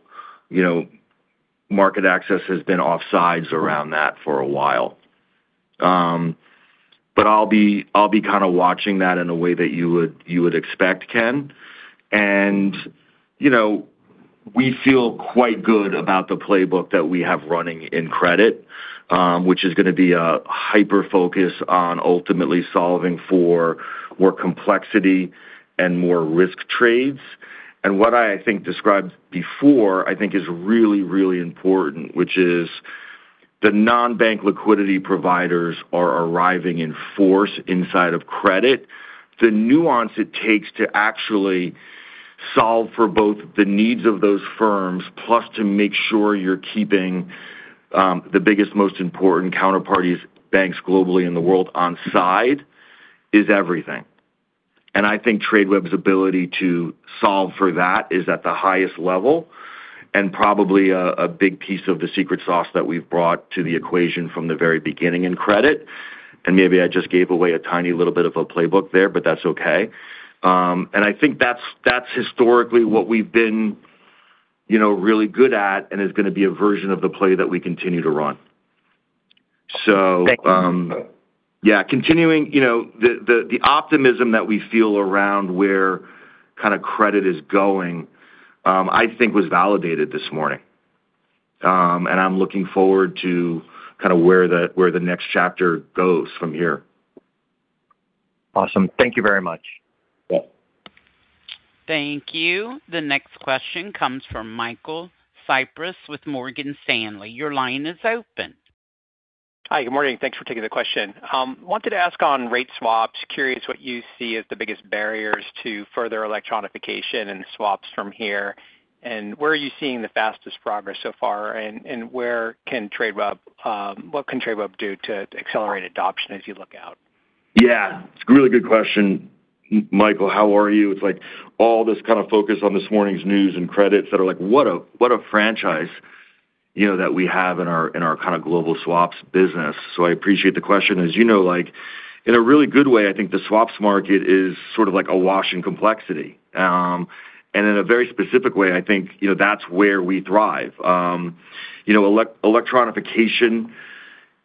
MarketAxess has been offsides around that for a while. I'll be kind of watching that in a way that you would expect, Ken. We feel quite good about the playbook that we have running in credit, which is going to be a hyper-focus on ultimately solving for more complexity and more risk trades. What I think described before, I think is really, really important, which is the non-bank liquidity providers are arriving in force inside of credit. The nuance it takes to actually solve for both the needs of those firms, plus to make sure you're keeping the biggest, most important counterparties banks globally in the world on side, is everything. I think Tradeweb's ability to solve for that is at the highest level, and probably a big piece of the secret sauce that we've brought to the equation from the very beginning in credit. Maybe I just gave away a tiny little bit of a playbook there, but that's okay. I think that's historically what we've been really good at and is going to be a version of the play that we continue to run. Thank you. Yeah. Continuing the optimism that we feel around where credit is going, I think, was validated this morning. I'm looking forward to where the next chapter goes from here. Awesome. Thank you very much. Yeah. Thank you. The next question comes from Michael Cyprys with Morgan Stanley. Your line is open. Hi, good morning. Thanks for taking the question. Wanted to ask on rate swaps, curious what you see as the biggest barriers to further electronification and swaps from here, where are you seeing the fastest progress so far, and what can Tradeweb do to accelerate adoption as you look out? Yeah. It's a really good question, Michael. How are you? It's like all this kind of focus on this morning's news and credits that are like, what a franchise that we have in our kind of global swaps business. I appreciate the question. As you know, in a really good way, I think the swaps market is sort of awash in complexity. In a very specific way, I think that's where we thrive. Electronification,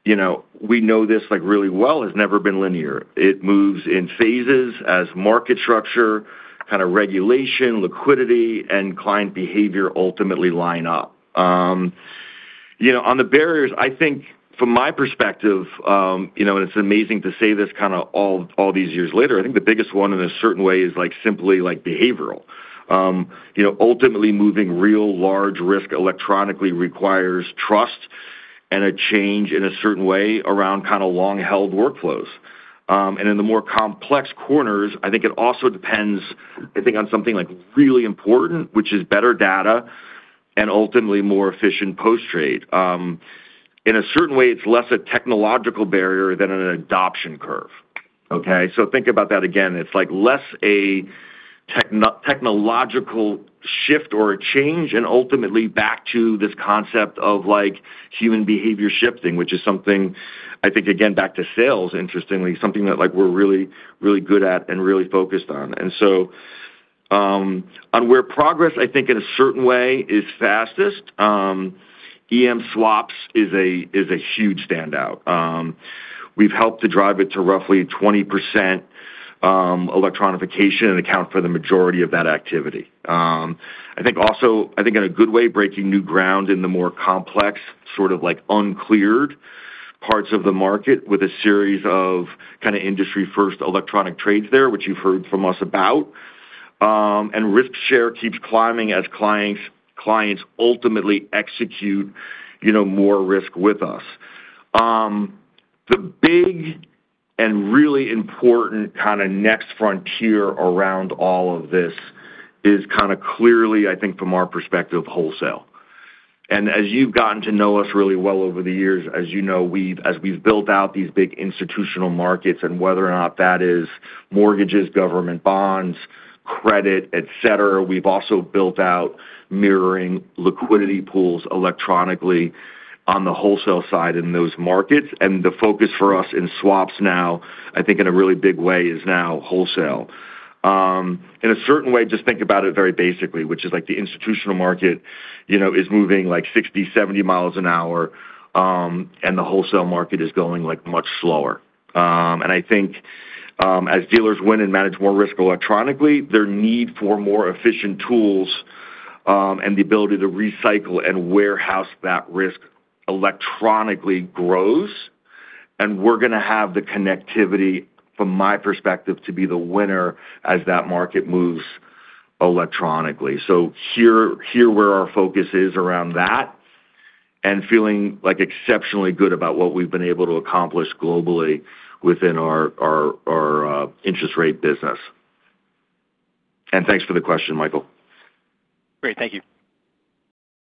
we know this really well, has never been linear. It moves in phases as market structure, kind of regulation, liquidity, and client behavior ultimately line up. On the barriers, I think from my perspective, and it's amazing to say this all these years later, I think the biggest one in a certain way is simply behavioral. Ultimately moving real large risk electronically requires trust and a change in a certain way around long-held workflows. In the more complex corners, I think it also depends, I think on something really important, which is better data and ultimately more efficient post-trade. In a certain way, it's less a technological barrier than an adoption curve Okay, so think about that again. It's less a technological shift or a change, and ultimately back to this concept of human behavior shifting, which is something, I think, again, back to sales, interestingly, something that we're really good at and really focused on. On where progress, I think, in a certain way is fastest, EM swaps is a huge standout. We've helped to drive it to roughly 20% electronification and account for the majority of that activity. I think also, I think in a good way, breaking new ground in the more complex, sort of uncleared parts of the market with a series of kind of industry-first electronic trades there, which you've heard from us about. Risk share keeps climbing as clients ultimately execute more risk with us. The big and really important kind of next frontier around all of this is clearly, I think from our perspective, wholesale. As you've gotten to know us really well over the years, as you know, as we've built out these big institutional markets and whether or not that is mortgages, government bonds, credit, et cetera, we've also built out mirroring liquidity pools electronically on the wholesale side in those markets. The focus for us in swaps now, I think in a really big way, is now wholesale. In a certain way, just think about it very basically, which is the institutional market is moving 60 mi, 70 mi an hour, and the wholesale market is going much slower. I think as dealers win and manage more risk electronically, their need for more efficient tools and the ability to recycle and warehouse that risk electronically grows, we're going to have the connectivity, from my perspective, to be the winner as that market moves electronically. Hear where our focus is around that, feeling exceptionally good about what we've been able to accomplish globally within our interest rate business. Thanks for the question, Michael. Great. Thank you.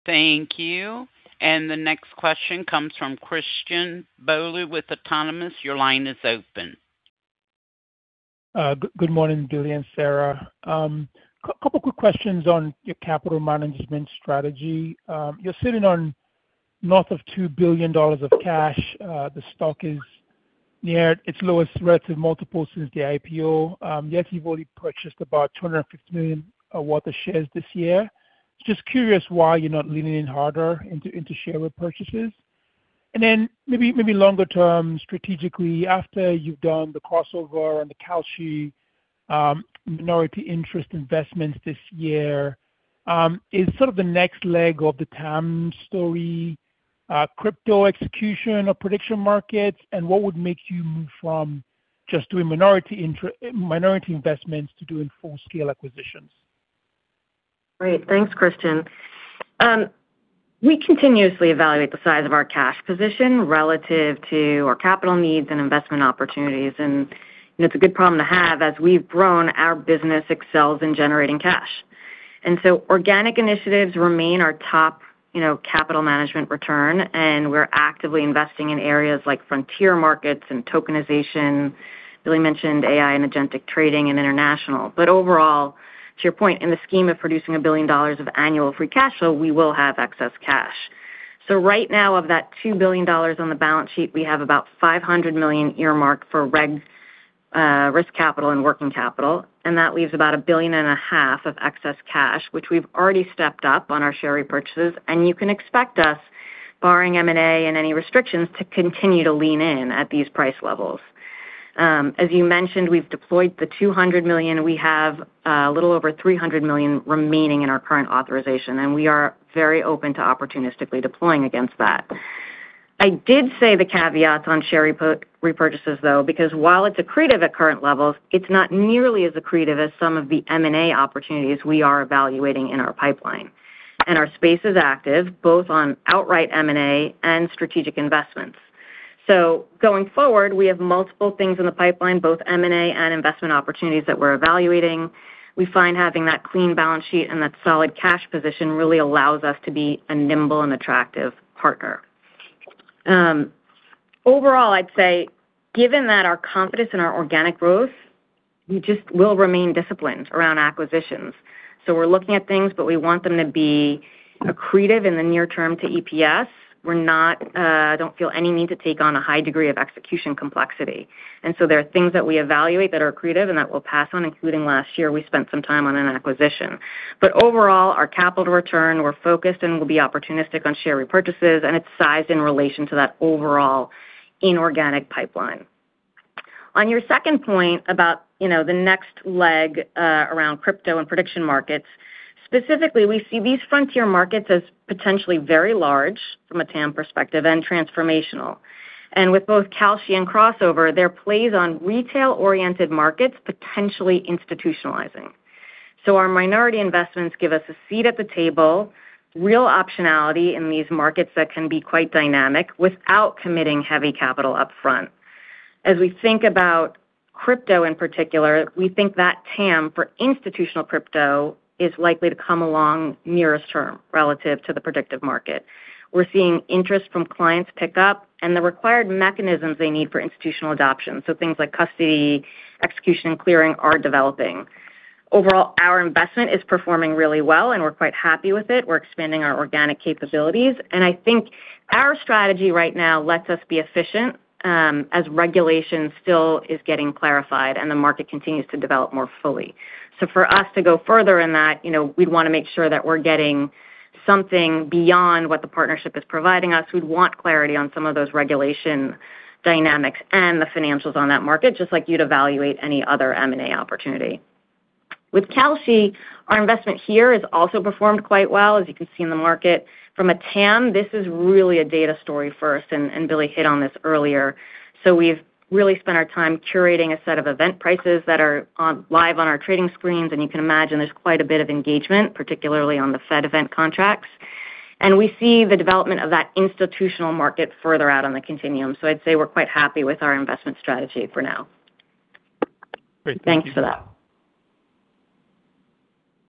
Thank you. The next question comes from Christian Bolu with Autonomous. Your line is open. Good morning, Billy and Sara. A couple quick questions on your capital management strategy. You're sitting on north of $2 billion of cash. The stock is near its lowest relative multiple since the IPO. Yet you've only purchased about $250 million of our shares this year. Just curious why you're not leaning in harder into share repurchases. Maybe longer-term strategically, after you've done the Crossover and the Kalshi minority interest investments this year, is sort of the next leg of the TAM story, crypto execution or prediction markets, what would make you move from just doing minority investments to doing full-scale acquisitions? Great. Thanks, Christian. We continuously evaluate the size of our cash position relative to our capital needs and investment opportunities. It's a good problem to have. As we've grown, our business excels in generating cash. Organic initiatives remain our top capital management return, and we're actively investing in areas like frontier markets and tokenization. Billy mentioned AI and agentic trading and international. Overall, to your point, in the scheme of producing $1 billion of annual free cash flow, we will have excess cash. Right now, of that $2 billion on the balance sheet, we have about $500 million earmarked for reg risk capital and working capital, and that leaves about $1.5 billion of excess cash, which we've already stepped up on our share repurchases, and you can expect us, barring M&A and any restrictions, to continue to lean in at these price levels. As you mentioned, we've deployed the $200 million. We have a little over $300 million remaining in our current authorization, and we are very open to opportunistically deploying against that. I did say the caveats on share repurchases, though, because while it's accretive at current levels, it's not nearly as accretive as some of the M&A opportunities we are evaluating in our pipeline. Our space is active, both on outright M&A and strategic investments. Going forward, we have multiple things in the pipeline, both M&A and investment opportunities that we're evaluating. We find having that clean balance sheet and that solid cash position really allows us to be a nimble and attractive partner. Overall, I'd say given that our confidence in our organic growth, we just will remain disciplined around acquisitions. We're looking at things, but we want them to be accretive in the near term to EPS. We don't feel any need to take on a high degree of execution complexity. There are things that we evaluate that are accretive and that we'll pass on, including last year, we spent some time on an acquisition. Overall, our capital return, we're focused and will be opportunistic on share repurchases, and it's sized in relation to that overall inorganic pipeline. On your second point about the next leg around crypto and prediction markets, specifically, we see these frontier markets as potentially very large from a TAM perspective and transformational. With both Kalshi and Crossover, their plays on retail-oriented markets potentially institutionalizing. Our minority investments give us a seat at the table, real optionality in these markets that can be quite dynamic without committing heavy capital upfront. As we think about crypto in particular, we think that TAM for institutional crypto is likely to come along nearest term relative to the predictive market. We're seeing interest from clients pick up and the required mechanisms they need for institutional adoption. Things like custody, execution, and clearing are developing. Overall, our investment is performing really well, and we're quite happy with it. We're expanding our organic capabilities. I think our strategy right now lets us be efficient as regulation still is getting clarified and the market continues to develop more fully. For us to go further in that, we'd want to make sure that we're getting something beyond what the partnership is providing us, we'd want clarity on some of those regulation dynamics and the financials on that market, just like you'd evaluate any other M&A opportunity. With Kalshi, our investment here has also performed quite well, as you can see in the market. From a TAM, this is really a data story first, and Billy hit on this earlier. We've really spent our time curating a set of event prices that are live on our trading screens, and you can imagine there's quite a bit of engagement, particularly on the Fed event contracts. We see the development of that institutional market further out on the continuum. I'd say we're quite happy with our investment strategy for now. Great. Thank you. Thanks for that.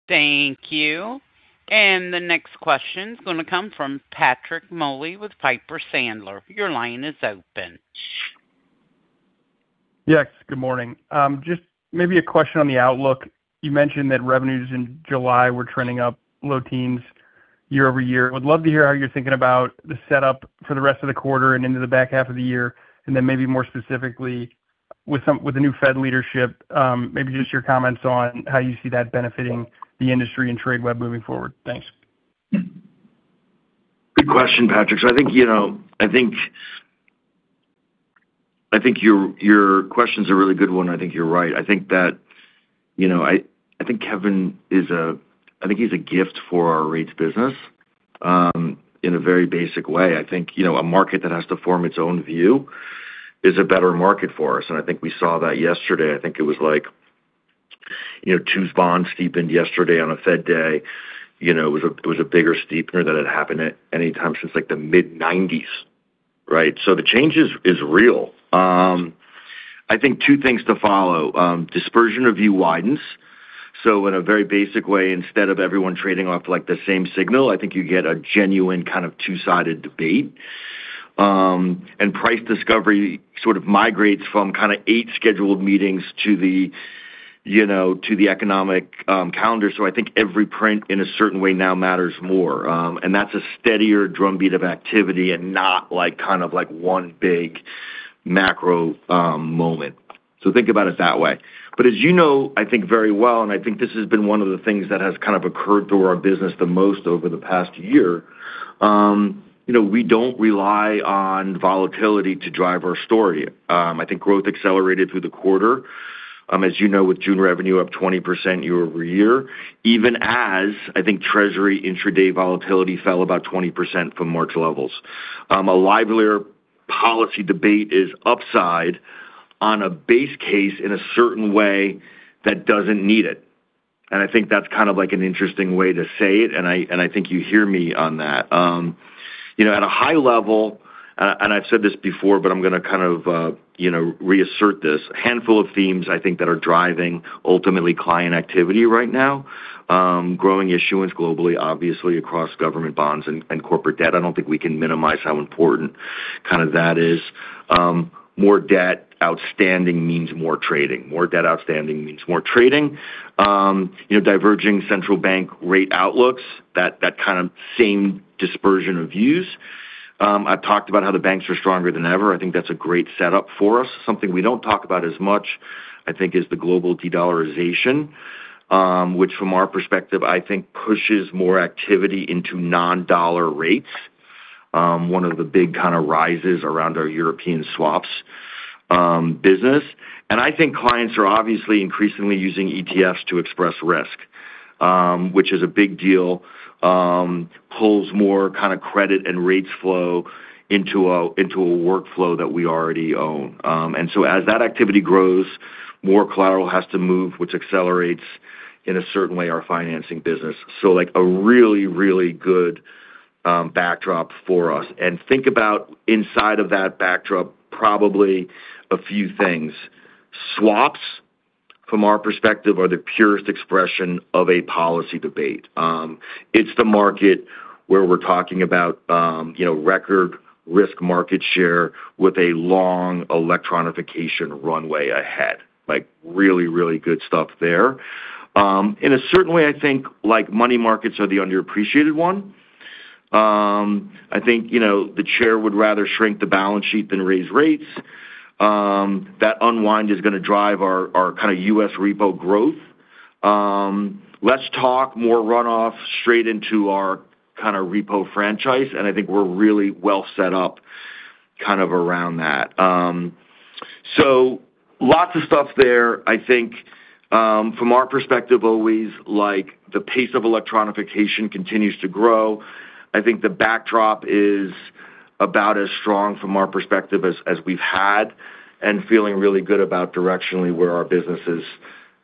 Thank you. The next question is going to come from Patrick Moley with Piper Sandler. Your line is open. Yes, good morning. Just maybe a question on the outlook. You mentioned that revenues in July were trending up low teens year-over-year. Would love to hear how you're thinking about the setup for the rest of the quarter and into the back half of the year, then maybe more specifically, with the new Fed leadership, maybe just your comments on how you see that benefiting the industry and Tradeweb moving forward. Thanks. Good question, Patrick. I think your question's a really good one. I think you're right. I think Kevin is a gift for our rates business in a very basic way. I think a market that has to form its own view is a better market for us, and I think we saw that yesterday. I think it was like twos bonds steepened yesterday on a Fed day. It was a bigger steepener than had happened at any time since the mid-'90s. Right? The change is real. I think two things to follow. Dispersion of view widens. In a very basic way, instead of everyone trading off the same signal, I think you get a genuine kind of two-sided debate. Price discovery sort of migrates from eight scheduled meetings to the economic calendar. I think every print in a certain way now matters more, and that's a steadier drumbeat of activity and not one big macro moment. Think about it that way. As you know I think very well, and I think this has been one of the things that has kind of occurred through our business the most over the past year, we don't rely on volatility to drive our story. I think growth accelerated through the quarter, as you know, with June revenue up 20% year-over-year, even as I think Treasury intraday volatility fell about 20% from March levels. A livelier policy debate is upside on a base case in a certain way that doesn't need it. I think that's kind of an interesting way to say it, and I think you hear me on that. At a high level, I've said this before, I'm going to kind of reassert this, a handful of themes I think that are driving ultimately client activity right now. Growing issuance globally, obviously across government bonds and corporate debt. I don't think we can minimize how important that is. More debt outstanding means more trading. More debt outstanding means more trading. Diverging central bank rate outlooks, that kind of same dispersion of views. I've talked about how the banks are stronger than ever. I think that's a great setup for us. Something we don't talk about as much, I think, is the global de-dollarization, which from our perspective, I think pushes more activity into non-dollar rates. One of the big kind of rises around our European swaps business. I think clients are obviously increasingly using ETFs to express risk, which is a big deal. Pulls more kind of credit and rates flow into a workflow that we already own. As that activity grows, more collateral has to move, which accelerates, in a certain way, our financing business. A really, really good backdrop for us. Think about inside of that backdrop, probably a few things. Swaps, from our perspective, are the purest expression of a policy debate. It's the market where we're talking about record risk market share with a long electronification runway ahead. Really, really good stuff there. In a certain way, I think money markets are the underappreciated one. I think the Chair would rather shrink the balance sheet than raise rates. That unwind is going to drive our U.S. repo growth. Less talk, more runoff straight into our repo franchise, I think we're really well set up around that. Lots of stuff there. I think from our perspective, always, the pace of electronification continues to grow. I think the backdrop is about as strong from our perspective as we've had, feeling really good about directionally where our businesses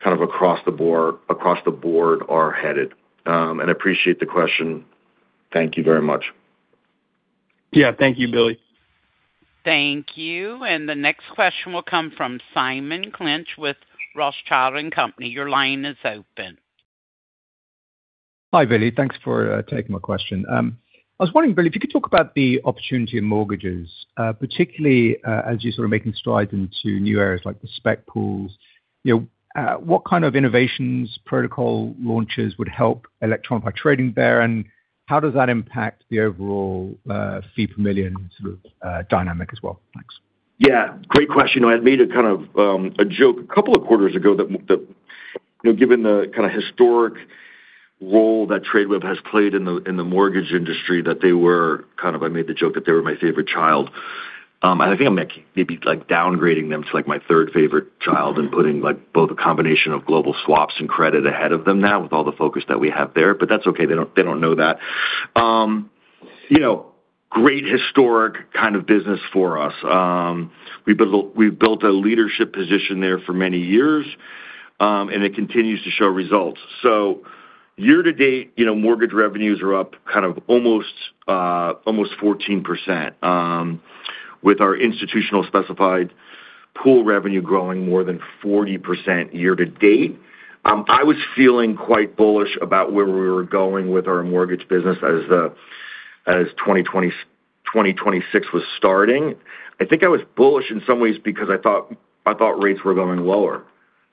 kind of across the board are headed. Appreciate the question. Thank you very much. Yeah. Thank you, Billy. Thank you. The next question will come from Simon Clinch with Rothschild & Co. Your line is open. Hi, Billy. Thanks for taking my question. I was wondering, Billy, if you could talk about the opportunity in mortgages, particularly as you're sort of making strides into new areas like the spec pools. What kind of innovations, protocol launches would help electronic by trading there, and how does that impact the overall fee per million sort of dynamic as well? Thanks. Yeah, great question. I had made a kind of a joke a couple of quarters ago that, given the kind of historic role that Tradeweb has played in the mortgage industry, I made the joke that they were my favorite child. I think I'm maybe downgrading them to my third favorite child and putting both a combination of global swaps and credit ahead of them now with all the focus that we have there. That's okay. They don't know that. Great historic kind of business for us. We've built a leadership position there for many years, and it continues to show results. Year-to-date, mortgage revenues are up kind of almost 14%, with our institutional specified pool revenue growing more than 40% year-to-date. I was feeling quite bullish about where we were going with our mortgage business as 2026 was starting. I think I was bullish in some ways because I thought rates were going lower.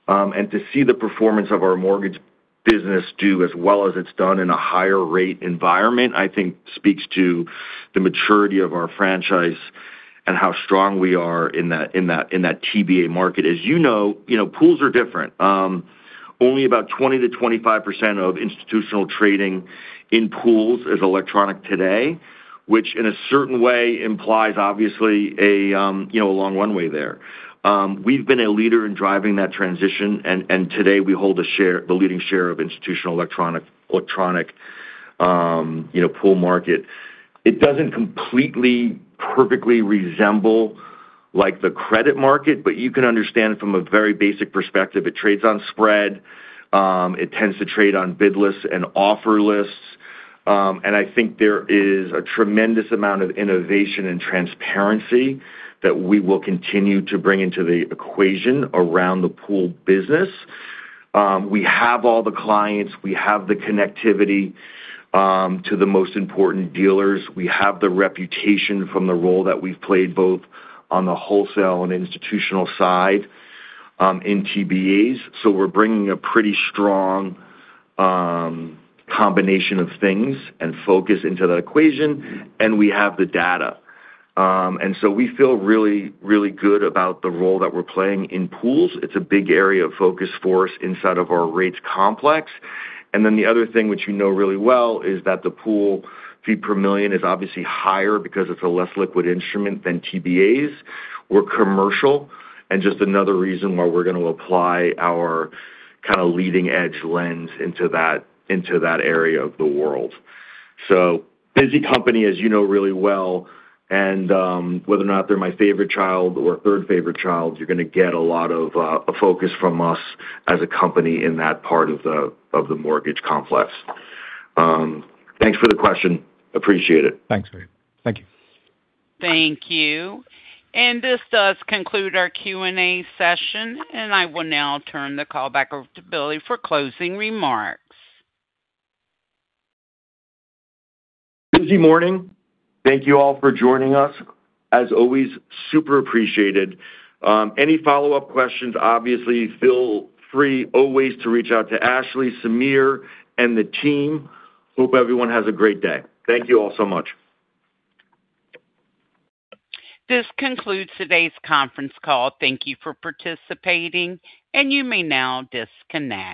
To see the performance of our mortgage business do as well as it's done in a higher rate environment, I think speaks to the maturity of our franchise and how strong we are in that TBA market. As you know, pools are different. Only about 20%-25% of institutional trading in pools is electronic today, which in a certain way implies obviously a long runway there. We've been a leader in driving that transition, and today we hold the leading share of institutional electronic pool market. It doesn't completely, perfectly resemble the credit market, you can understand from a very basic perspective, it trades on spread. It tends to trade on bid lists and offer lists. I think there is a tremendous amount of innovation and transparency that we will continue to bring into the equation around the pool business. We have all the clients, we have the connectivity to the most important dealers. We have the reputation from the role that we've played, both on the wholesale and institutional side, in TBAs. We're bringing a pretty strong combination of things and focus into that equation, and we have the data. We feel really, really good about the role that we're playing in pools. It's a big area of focus for us inside of our rates complex. The other thing which you know really well is that the pool fee per million is obviously higher because it's a less liquid instrument than TBAs or commercial, and just another reason why we're going to apply our kind of leading-edge lens into that area of the world. Busy company, as you know really well, and whether or not they're my favorite child or third favorite child, you're going to get a lot of focus from us as a company in that part of the mortgage complex. Thanks for the question. Appreciate it. Thanks, Billy. Thank you. Thank you. This does conclude our Q&A session, and I will now turn the call back over to Billy for closing remarks. Busy morning. Thank you all for joining us. As always, super appreciated. Any follow-up questions, obviously feel free always to reach out to Ashley, Sameer, and the team. Hope everyone has a great day. Thank you all so much. This concludes today's conference call. Thank you for participating, and you may now disconnect.